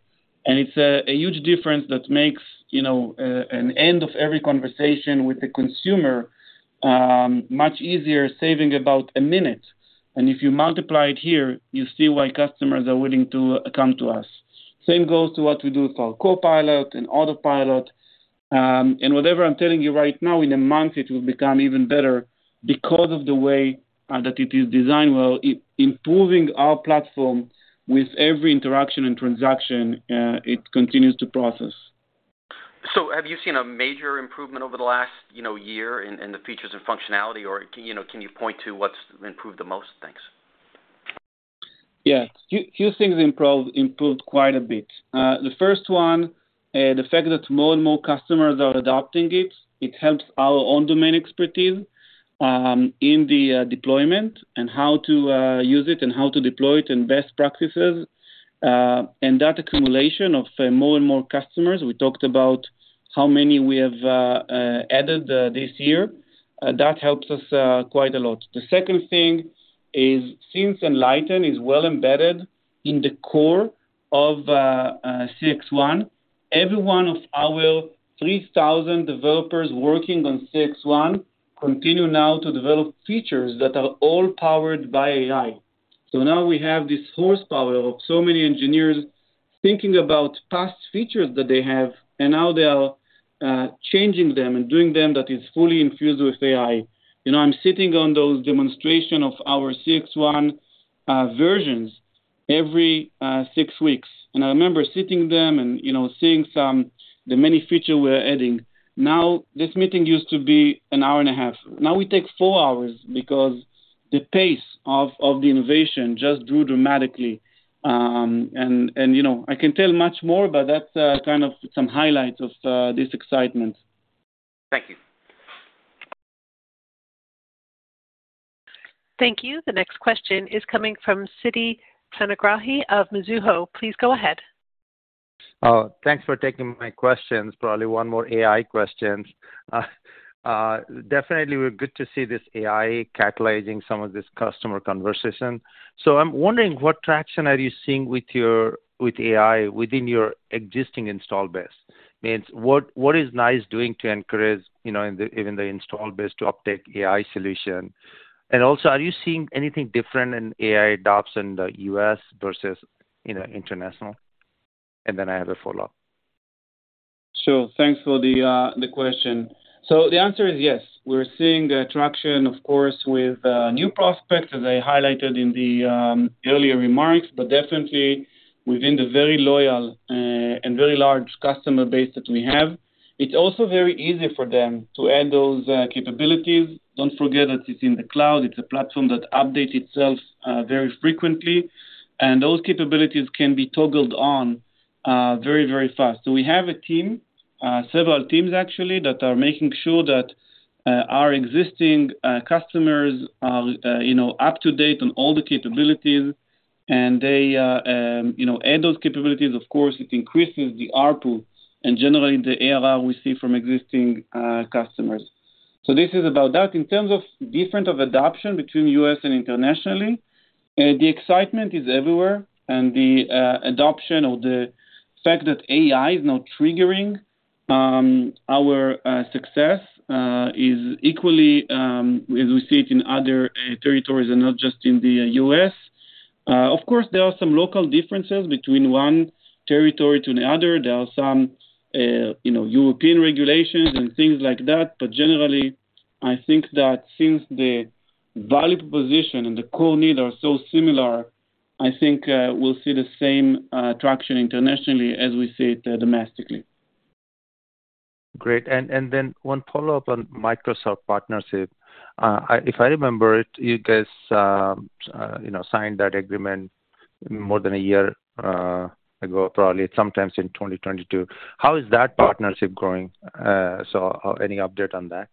A: And it's a huge difference that makes an end of every conversation with the consumer much easier, saving about a minute. If you multiply it here, you see why customers are willing to come to us. Same goes to what we do with our Copilot and Autopilot. Whatever I'm telling you right now, in a month, it will become even better because of the way that it is designed. Well, improving our platform with every interaction and transaction, it continues to process.
H: Have you seen a major improvement over the last year in the features and functionality, or can you point to what's improved the most? Thanks.
C: Yeah, a few things improved quite a bit. The first one, the fact that more and more customers are adopting it, it helps our own domain expertise in the deployment and how to use it and how to deploy it and best practices. That accumulation of more and more customers we talked about how many we have added this year, that helps us quite a lot. The second thing is since Enlighten is well embedded in the core of CXone, every one of our 3,000 developers working on CXone continue now to develop features that are all powered by AI. So now we have this horsepower of so many engineers thinking about past features that they have, and now they are changing them and doing them that is fully infused with AI. I'm sitting on those demonstrations of our CXone versions every six weeks. And I remember sitting there and seeing the many features we are adding. Now, this meeting used to be an hour and a half. Now we take four hours because the pace of the innovation just grew dramatically. I can tell much more, but that's kind of some highlights of this excitement.
H: Thank you.
A: Thank you. The next question is coming from Siti Panigrahi of Mizuho. Please go ahead.
I: Thanks for taking my questions. Probably one more AI question. Definitely, we're good to see this AI catalyzing some of this customer conversation. So I'm wondering, what traction are you seeing with AI within your existing install base? I mean, what is NICE doing to encourage even the install base to uptake AI solution? And also, are you seeing anything different in AI adoption in the U.S. versus international? And then I have a follow-up.
C: Thanks for the question. The answer is yes. We're seeing traction, of course, with new prospects, as I highlighted in the earlier remarks, but definitely within the very loyal and very large customer base that we have. It's also very easy for them to add those capabilities. Don't forget that it's in the cloud. It's a platform that updates itself very frequently. Those capabilities can be toggled on very, very fast. So we have a team, several teams, actually, that are making sure that our existing customers are up to date on all the capabilities, and they add those capabilities. Of course, it increases the ARPU and generally the ARR we see from existing customers. This is about that. In terms of different adoption between U.S. and internationally, the excitement is everywhere, and the adoption or the fact that AI is now triggering our success is equally, as we see it in other territories and not just in the U.S. Of course, there are some local differences between one territory to another. There are some European regulations and things like that. But generally, I think that since the value proposition and the core needs are so similar, I think we'll see the same traction internationally as we see it domestically.
I: Great. And then one follow-up on Microsoft partnership. If I remember it, you guys signed that agreement more than a year ago, probably sometimes in 2022. How is that partnership growing? So any update on that?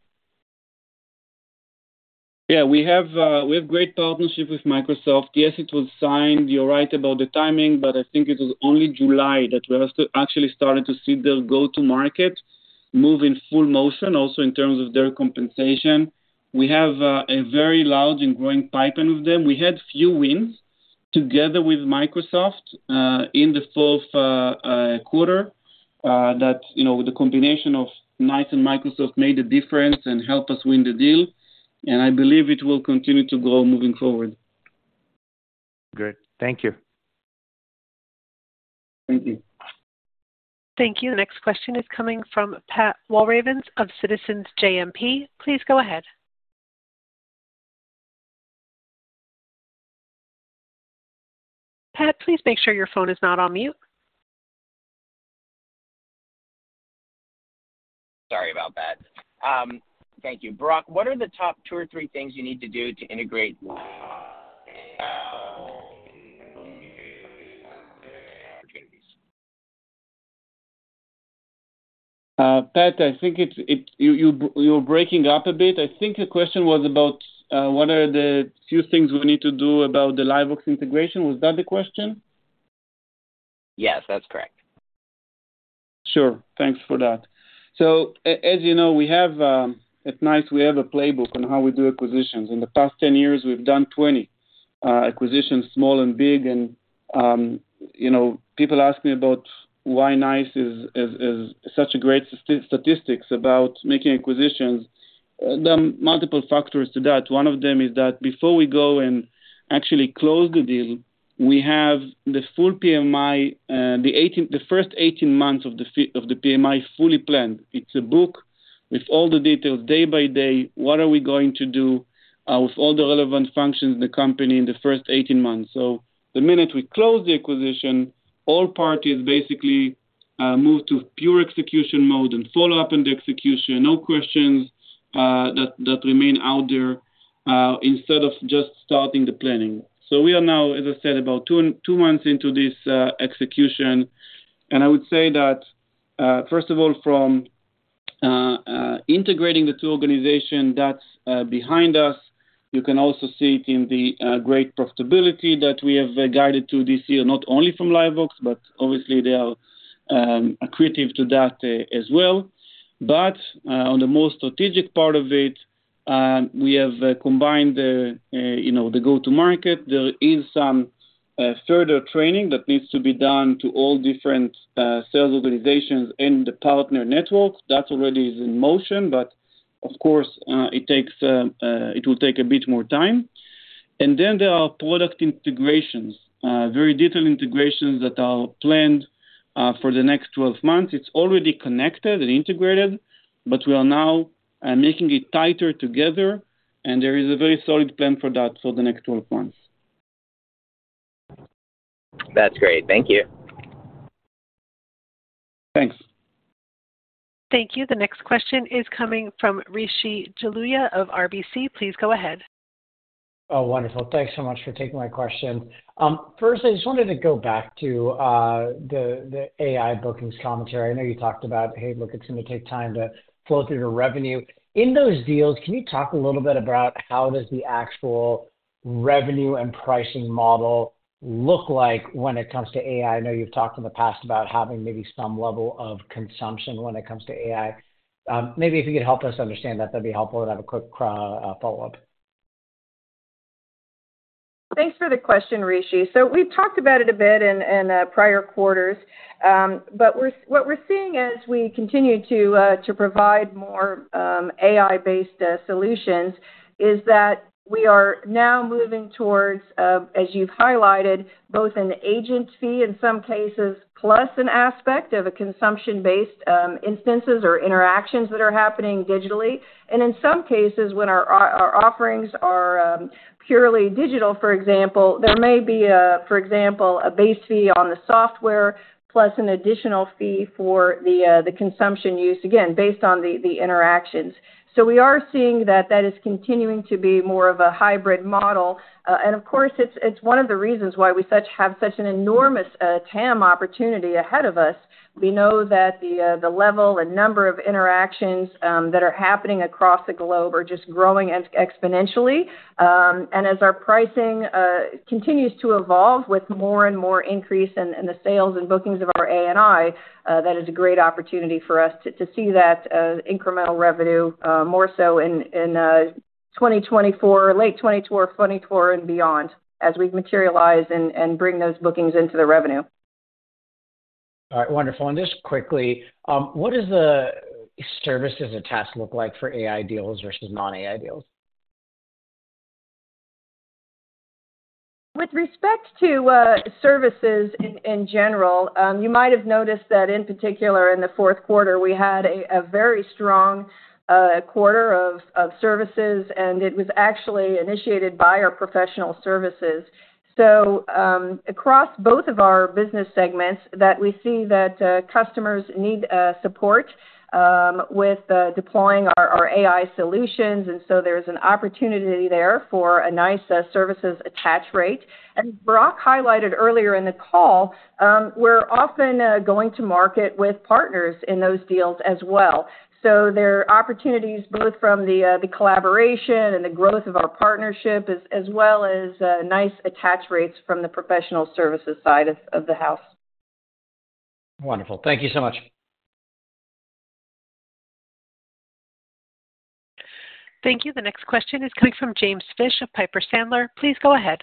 C: Yeah, we have a great partnership with Microsoft. Yes, it was signed. You're right about the timing, but I think it was only July that we actually started to see their go-to-market move in full motion, also in terms of their compensation. We have a very large and growing pipeline with them. We had few wins together with Microsoft in the Q4 that the combination of NICE and Microsoft made a difference and helped us win the deal. And I believe it will continue to grow moving forward.
I: Good. Thank you.
C: Thank you.
A: Thank you. The next question is coming from Pat Walravens of Citizens JMP. Please go ahead. Pat, please make sure your phone is not on mute.
J: Sorry about that. Thank you. Barak, what are the top two or three things you need to do to integrate LiveVox integration with the opportunities?
C: Pat, I think you're breaking up a bit. I think the question was about what are the few things we need to do about the LiveVox integration. Was that the question?
J: Yes, that's correct.
C: Sure. Thanks for that. So as you know, at NICE, we have a playbook on how we do acquisitions. In the past 10 years, we've done 20 acquisitions, small and big. And people ask me about why NICE is such a great statistics about making acquisitions. There are multiple factors to that. One of them is that before we go and actually close the deal, we have the full PMI, the first 18 months of the PMI fully planned. It's a book with all the details day by day. What are we going to do with all the relevant functions in the company in the first 18 months? So the minute we close the acquisition, all parties basically move to pure execution mode and follow up on the execution. No questions that remain out there instead of just starting the planning. So we are now, as I said, about 2 months into this execution. And I would say that, first of all, from integrating the two organizations that's behind us, you can also see it in the great profitability that we have guided to this year, not only from LiveVox, but obviously, they are accretive to that as well. But on the more strategic part of it, we have combined the go-to-market. There is some further training that needs to be done to all different sales organizations and the partner network that already is in motion, but of course, it will take a bit more time. And then there are product integrations, very detailed integrations that are planned for the next 12 months. It's already connected and integrated, but we are now making it tighter together, and there is a very solid plan for that for the next 12 months.
J: That's great. Thank you.
C: Thanks.
A: Thank you. The next question is coming from Rishi Jaluria of RBC. Please go ahead.
K: Oh, wonderful. Thanks so much for taking my question. First, I just wanted to go back to the AI bookings commentary. I know you talked about, "Hey, look, it's going to take time to flow through to revenue." In those deals, can you talk a little bit about how does the actual revenue and pricing model look like when it comes to AI? I know you've talked in the past about having maybe some level of consumption when it comes to AI. Maybe if you could help us understand that, that'd be helpful to have a quick follow-up.
D: Thanks for the question, Rishi.So we've talked about it a bit in prior quarters, but what we're seeing as we continue to provide more AI-based solutions is that we are now moving towards, as you've highlighted, both an agent fee in some cases, plus an aspect of consumption-based instances or interactions that are happening digitally. And in some cases, when our offerings are purely digital, for example, there may be, for example, a base fee on the software plus an additional fee for the consumption use, again, based on the interactions. So we are seeing that that is continuing to be more of a hybrid model. And of course, it's one of the reasons why we have such an enormous TAM opportunity ahead of us. We know that the level and number of interactions that are happening across the globe are just growing exponentially. And as our pricing continues to evolve with more and more increase in the sales and bookings of our AI, that is a great opportunity for us to see that incremental revenue more so in late 2024, 2024, and beyond as we materialize and bring those bookings into the revenue. All right. Wonderful. And just quickly, what does the services attach look like for AI deals versus non-AI deals? With respect to services in general, you might have noticed that in particular, in the Q4, we had a very strong quarter of services, and it was actually initiated by our professional services. So across both of our business segments, we see that customers need support with deploying our AI solutions. And so there is an opportunity there for a nice services attach rate. Barak highlighted earlier in the call, we're often going to market with partners in those deals as well. There are opportunities both from the collaboration and the growth of our partnership as well as NICE attach rates from the professional services side of the house.
K: Wonderful. Thank you so much.
A: Thank you. The next question is coming from James Fish of Piper Sandler. Please go ahead.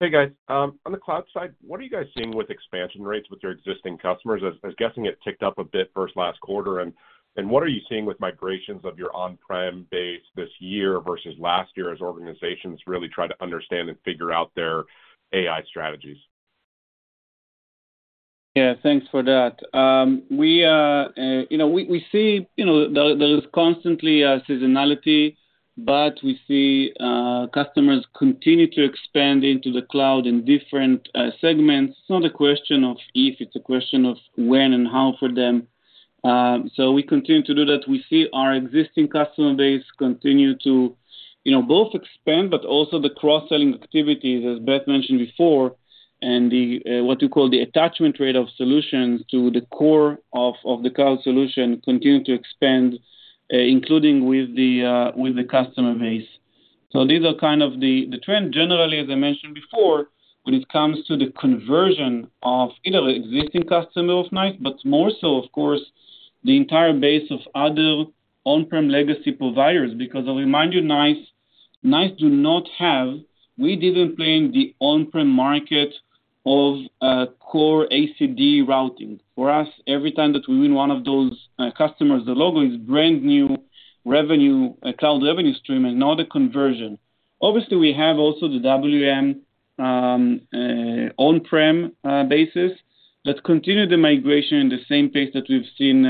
L: Hey, guys. On the cloud side, what are you guys seeing with expansion rates with your existing customers? I was guessing it ticked up a bit versus last quarter. And what are you seeing with migrations of your on-prem base this year versus last year as organizations really try to understand and figure out their AI strategies?
C: Yeah, thanks for that. We see there is constantly seasonality, but we see customers continue to expand into the cloud in different segments. It's not a question of if. It's a question of when and how for them. So we continue to do that. We see our existing customer base continue to both expand, but also the cross-selling activities, as Beth mentioned before, and what you call the attachment rate of solutions to the core of the cloud solution continue to expand, including with the customer base. So these are kind of the trend. Generally, as I mentioned before, when it comes to the conversion of either existing customers of NICE, but more so, of course, the entire base of other on-prem legacy providers. Because I'll remind you, NICE do not have we didn't plan the on-prem market of core ACD routing. For us, every time that we win one of those customers, the logo is brand new cloud revenue stream and not a conversion. Obviously, we have also the WEM on-prem basis that continue the migration in the same pace that we've seen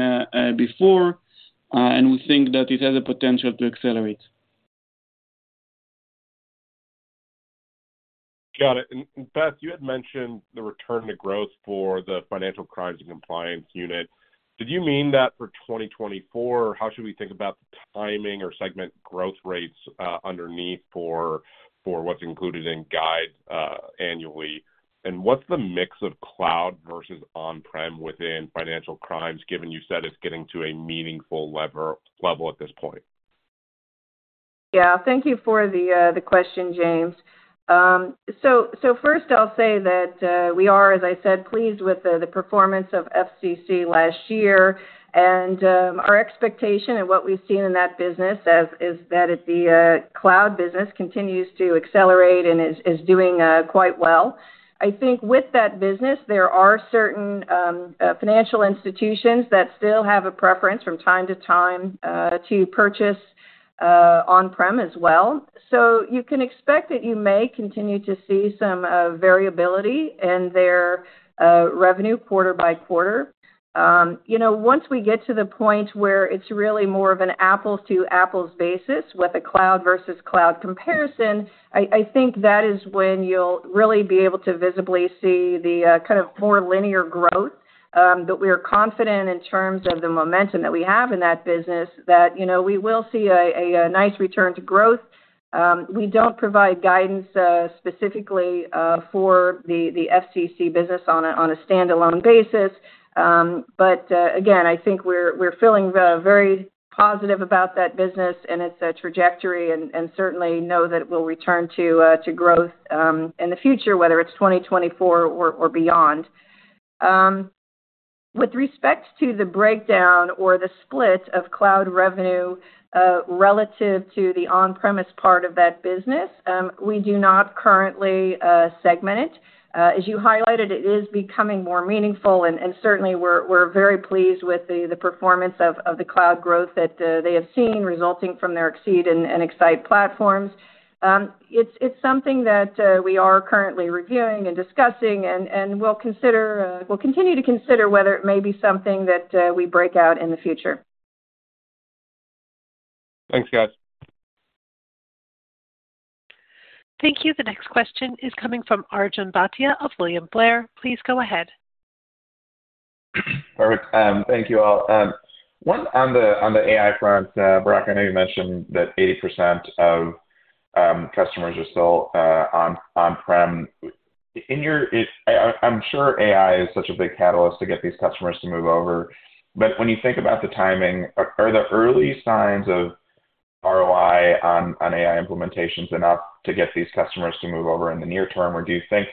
C: before, and we think that it has the potential to accelerate.
L: Got it. And Beth, you had mentioned the return to growth for the Financial Crimes and Compliance unit. Did you mean that for 2024, how should we think about the timing or segment growth rates underneath for what's included in guides annually? And what's the mix of cloud versus on-prem within financial crimes, given you said it's getting to a meaningful level at this point?
D: Yeah. Thank you for the question, James. So first, I'll say that we are, as I said, pleased with the performance of FCC last year. And our expectation and what we've seen in that business is that the cloud business continues to accelerate and is doing quite well. I think with that business, there are certain financial institutions that still have a preference from time to time to purchase on-prem as well. So you can expect that you may continue to see some variability in their revenue quarter by quarter. Once we get to the point where it's really more of an apples-to-apples basis with a cloud versus cloud comparison, I think that is when you'll really be able to visibly see the kind of more linear growth that we are confident in terms of the momentum that we have in that business, that we will see a nice return to growth. We don't provide guidance specifically for the FCC business on a standalone basis. But again, I think we're feeling very positive about that business and its trajectory and certainly know that it will return to growth in the future, whether it's 2024 or beyond. With respect to the breakdown or the split of cloud revenue relative to the on-premise part of that business, we do not currently segment it. As you highlighted, it is becoming more meaningful. Certainly, we're very pleased with the performance of the cloud growth that they have seen resulting from their Xceed and X-Sight platforms. It's something that we are currently reviewing and discussing and will continue to consider whether it may be something that we break out in the future.
L: Thanks, guys.
A: Thank you. The next question is coming from Arjun Bhatia of William Blair. Please go ahead.
M: Perfect. Thank you all. On the AI front, Barak, I know you mentioned that 80% of customers are still on-prem. I'm sure AI is such a big catalyst to get these customers to move over. But when you think about the timing, are the early signs of ROI on AI implementations enough to get these customers to move over in the near term, or do you think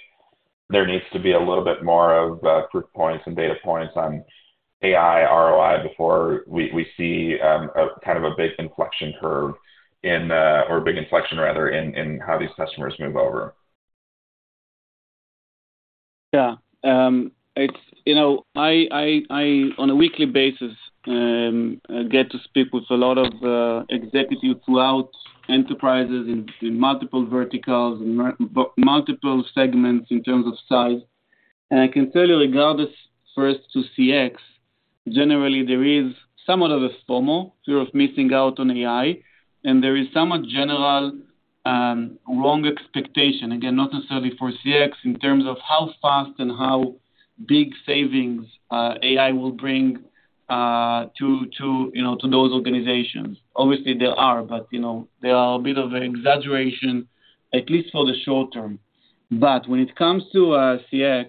M: there needs to be a little bit more of proof points and data points on AI ROI before we see kind of a big inflection curve or big inflection, rather, in how these customers move over?
C: Yeah. On a weekly basis, I get to speak with a lot of executives throughout enterprises in multiple verticals and multiple segments in terms of size. And I can tell you, regardless, first to CX, generally, there is somewhat of a FOMO, fear of missing out on AI, and there is somewhat general wrong expectation, again, not necessarily for CX, in terms of how fast and how big savings AI will bring to those organizations. Obviously, there are, but there are a bit of an exaggeration, at least for the short term. But when it comes to CX,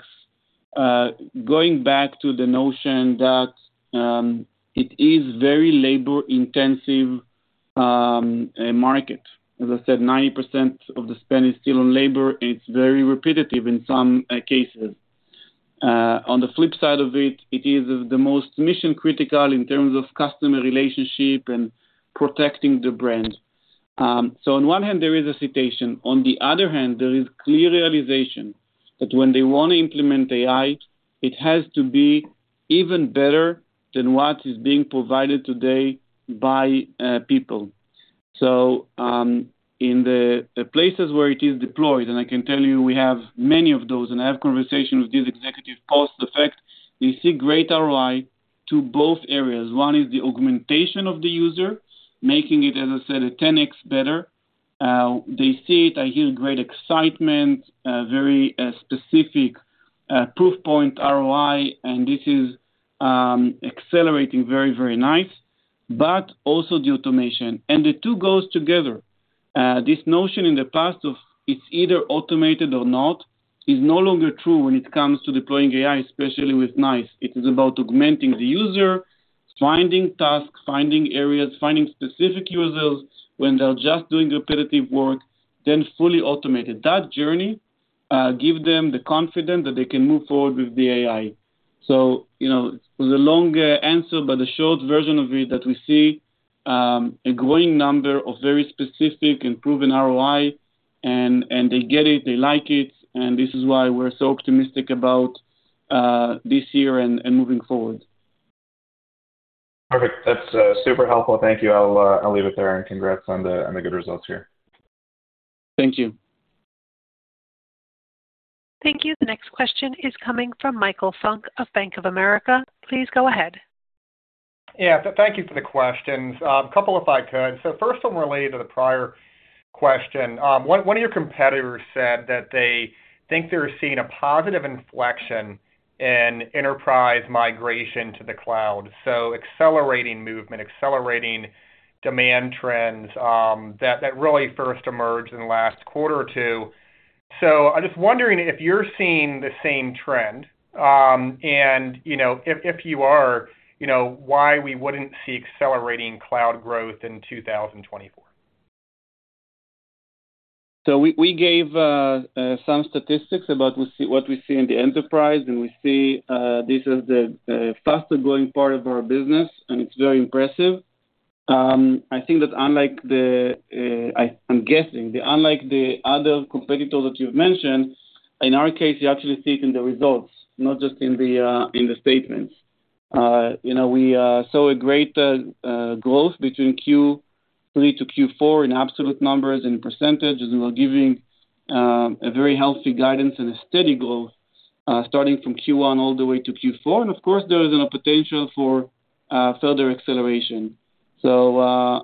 C: going back to the notion that it is a very labor-intensive market, as I said, 90% of the spend is still on labor, and it's very repetitive in some cases. On the flip side of it, it is the most mission-critical in terms of customer relationship and protecting the brand. So on one hand, there is a hesitation. On the other hand, there is clear realization that when they want to implement AI, it has to be even better than what is being provided today by people. So in the places where it is deployed, and I can tell you, we have many of those, and I have conversations with these executives after the fact, they see great ROI to both areas. One is the augmentation of the user, making it, as I said, a 10x better. They see it. I hear great excitement, very specific proof point ROI, and this is accelerating very, very nice. But also the automation. And the two goes together. This notion in the past of it's either automated or not is no longer true when it comes to deploying AI, especially with NICE. It is about augmenting the user, finding tasks, finding areas, finding specific users when they're just doing repetitive work, then fully automated. That journey gives them the confidence that they can move forward with the AI. So it was a long answer, but the short version of it is that we see a growing number of very specific and proven ROI, and they get it. They like it. And this is why we're so optimistic about this year and moving forward.
M: Perfect. That's super helpful. Thank you. I'll leave it there, and congrats on the good results here.
C: Thank you.
A: Thank you. The next question is coming from Michael Funk of Bank of America. Please go ahead.
N: Yeah. Thank you for the questions. A couple if I could. So first, I'm related to the prior question. One of your competitors said that they think they're seeing a positive inflection in enterprise migration to the cloud, so accelerating movement, accelerating demand trends that really first emerged in the last quarter or two. So I'm just wondering if you're seeing the same trend. And if you are, why we wouldn't see accelerating cloud growth in 2024?
C: So we gave some statistics about what we see in the enterprise, and we see this as the faster-going part of our business, and it's very impressive. I think that unlike the I'm guessing. Unlike the other competitors that you've mentioned, in our case, you actually see it in the results, not just in the statements. We saw a great growth between Q3 to Q4 in absolute numbers and percentages, and we're giving a very healthy guidance and a steady growth starting from Q1 all the way to Q4. And of course, there is a potential for further acceleration. So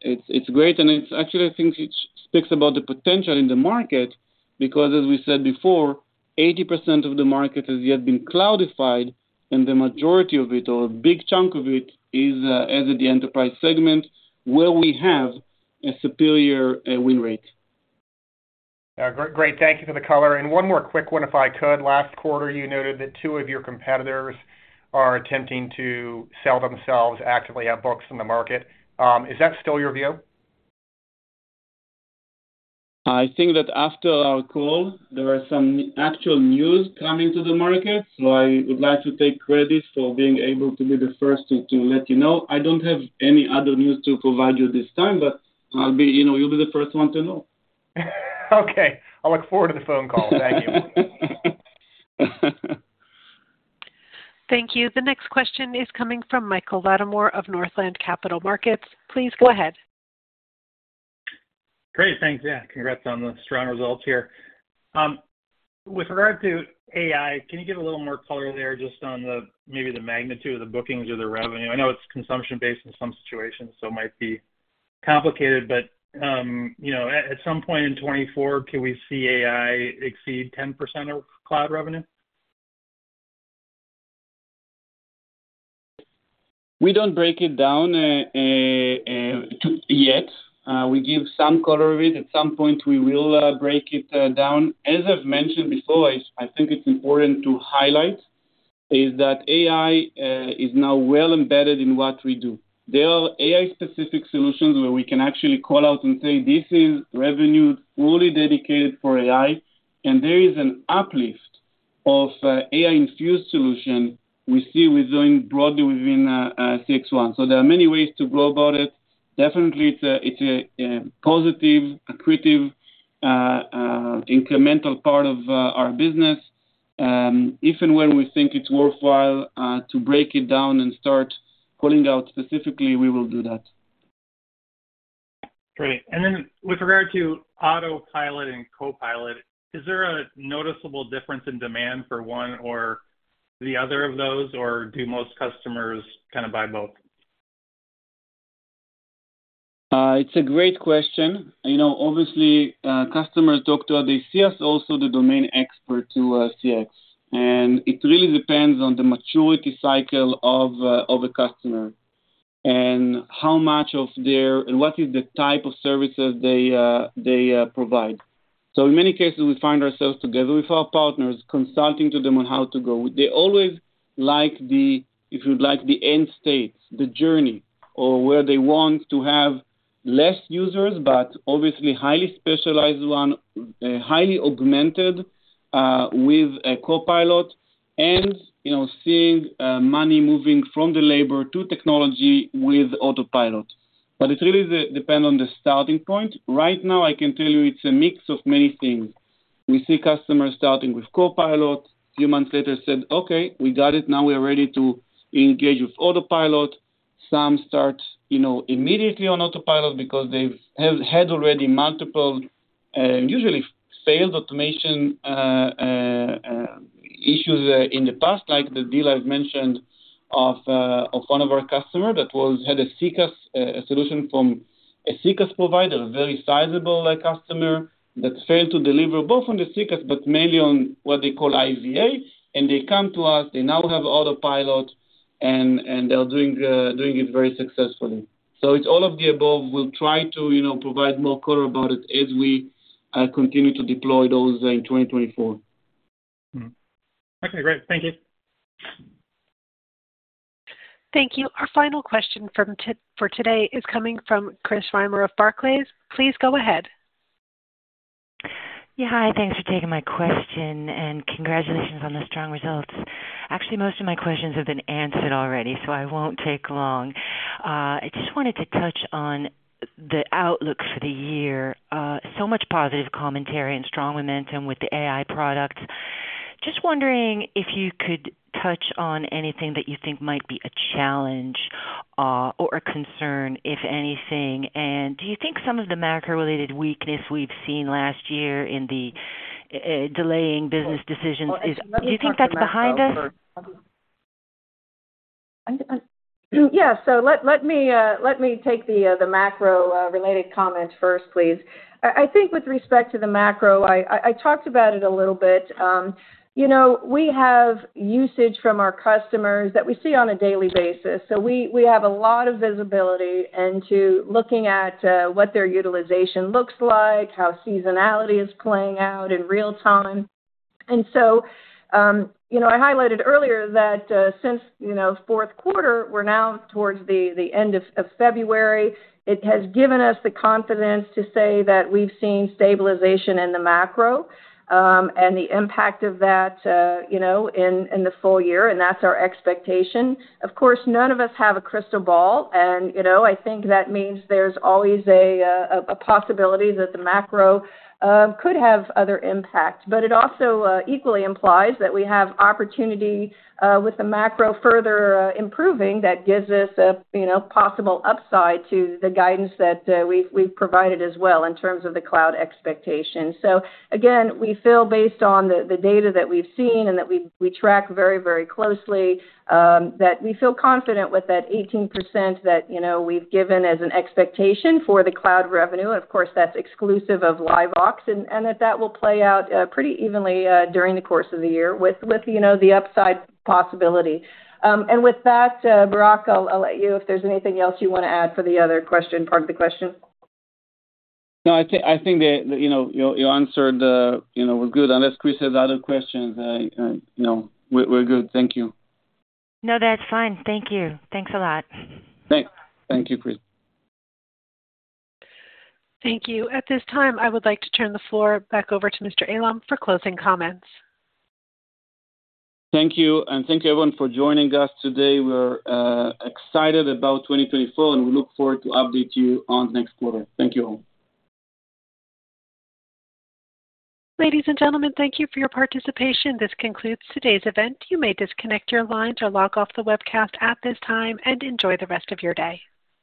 C: it's great. And actually, I think it speaks about the potential in the market because, as we said before, 80% of the market has yet been cloudified, and the majority of it or a big chunk of it is at the enterprise segment where we have a superior win rate.
N: Yeah. Great. Thank you for the color. And one more quick one, if I could. Last quarter, you noted that two of your competitors are attempting to sell themselves, actively have books in the market. Is that still your view?
C: I think that after our call, there are some actual news coming to the market. So I would like to take credit for being able to be the first to let you know. I don't have any other news to provide you this time, but you'll be the first one to know.
N: Okay. I'll look forward to the phone call. Thank you.
A: Thank you. The next question is coming from Michael Latimore of Northland Capital Markets. Please go ahead.
O: Great. Thanks. Yeah. Congrats on the strong results here. With regard to AI, can you give a little more color there just on maybe the magnitude of the bookings or the revenue? I know it's consumption-based in some situations, so it might be complicated. But at some point in 2024, can we see AI exceed 10% of cloud revenue?
C: We don't break it down yet. We give some color of it. At some point, we will break it down. As I've mentioned before, I think it's important to highlight is that AI is now well embedded in what we do. There are AI-specific solutions where we can actually call out and say, "This is revenue fully dedicated for AI." And there is an uplift of AI-infused solutions we see within broadly within CXone. So there are many ways to go about it. Definitely, it's a positive, accretive, incremental part of our business. If and when we think it's worthwhile to break it down and start calling out specifically, we will do that.
O: Great. Then with regard to Autopilot and Copilot, is there a noticeable difference in demand for one or the other of those, or do most customers kind of buy both?
C: It's a great question. Obviously, customers talk to us. They see us also the domain expert to CX. It really depends on the maturity cycle of a customer and how much of their and what is the type of services they provide. So in many cases, we find ourselves together with our partners consulting to them on how to go. They always like the if you'd like the end states, the journey, or where they want to have less users but obviously highly specialized one, highly augmented with a Copilot, and seeing money moving from the labor to technology with Autopilot. It really depends on the starting point. Right now, I can tell you, it's a mix of many things. We see customers starting with Copilot. A few months later, said, "Okay. We got it. Now we are ready to engage with Autopilot." Some start immediately on Autopilot because they've had already multiple, usually failed automation issues in the past, like the deal I've mentioned of one of our customers that had a UCaaS solution from a UCaaS provider, a very sizable customer that failed to deliver both on the UCaaS but mainly on what they call IVA. And they come to us. They now have Autopilot, and they're doing it very successfully. So it's all of the above. We'll try to provide more color about it as we continue to deploy those in 2024.
O: Okay. Great. Thank you.
A: Thank you. Our final question for today is coming from Chris Reimer of Barclays. Please go ahead.
P: Yeah. Hi. Thanks for taking my question, and congratulations on the strong results. Actually, most of my questions have been answered already, so I won't take long. I just wanted to touch on the outlook for the year. So much positive commentary and strong momentum with the AI products. Just wondering if you could touch on anything that you think might be a challenge or a concern, if anything. And do you think some of the macro-related weakness we've seen last year in the delaying business decisions is? Do you think that's behind us?
D: Yeah. So let me take the macro-related comment first, please. I think with respect to the macro, I talked about it a little bit. We have usage from our customers that we see on a daily basis. So we have a lot of visibility into looking at what their utilization looks like, how seasonality is playing out in real time. And so I highlighted earlier that since Q4, we're now towards the end of February. It has given us the confidence to say that we've seen stabilization in the macro and the impact of that in the full year, and that's our expectation. Of course, none of us have a crystal ball. And I think that means there's always a possibility that the macro could have other impacts. But it also equally implies that we have opportunity with the macro further improving that gives us a possible upside to the guidance that we've provided as well in terms of the cloud expectations. So again, we feel based on the data that we've seen and that we track very, very closely that we feel confident with that 18% that we've given as an expectation for the cloud revenue. And of course, that's exclusive of LiveVox and that that will play out pretty evenly during the course of the year with the upside possibility. And with that, Barak, I'll let you if there's anything else you want to add for the other part of the question.
C: No. I think that your answer was good. Unless Chris has other questions, we're good. Thank you.
P: No, that's fine. Thank you. Thanks a lot.
C: Thanks. Thank you, Chris.
A: Thank you. At this time, I would like to turn the floor back over to Mr. Eilam for closing comments.
C: Thank you. And thank you, everyone, for joining us today. We're excited about 2024, and we look forward to updating you on the next quarter. Thank you all.
A: Ladies and gentlemen, thank you for your participation. This concludes today's event. You may disconnect your line to log off the webcast at this time and enjoy the rest of your day.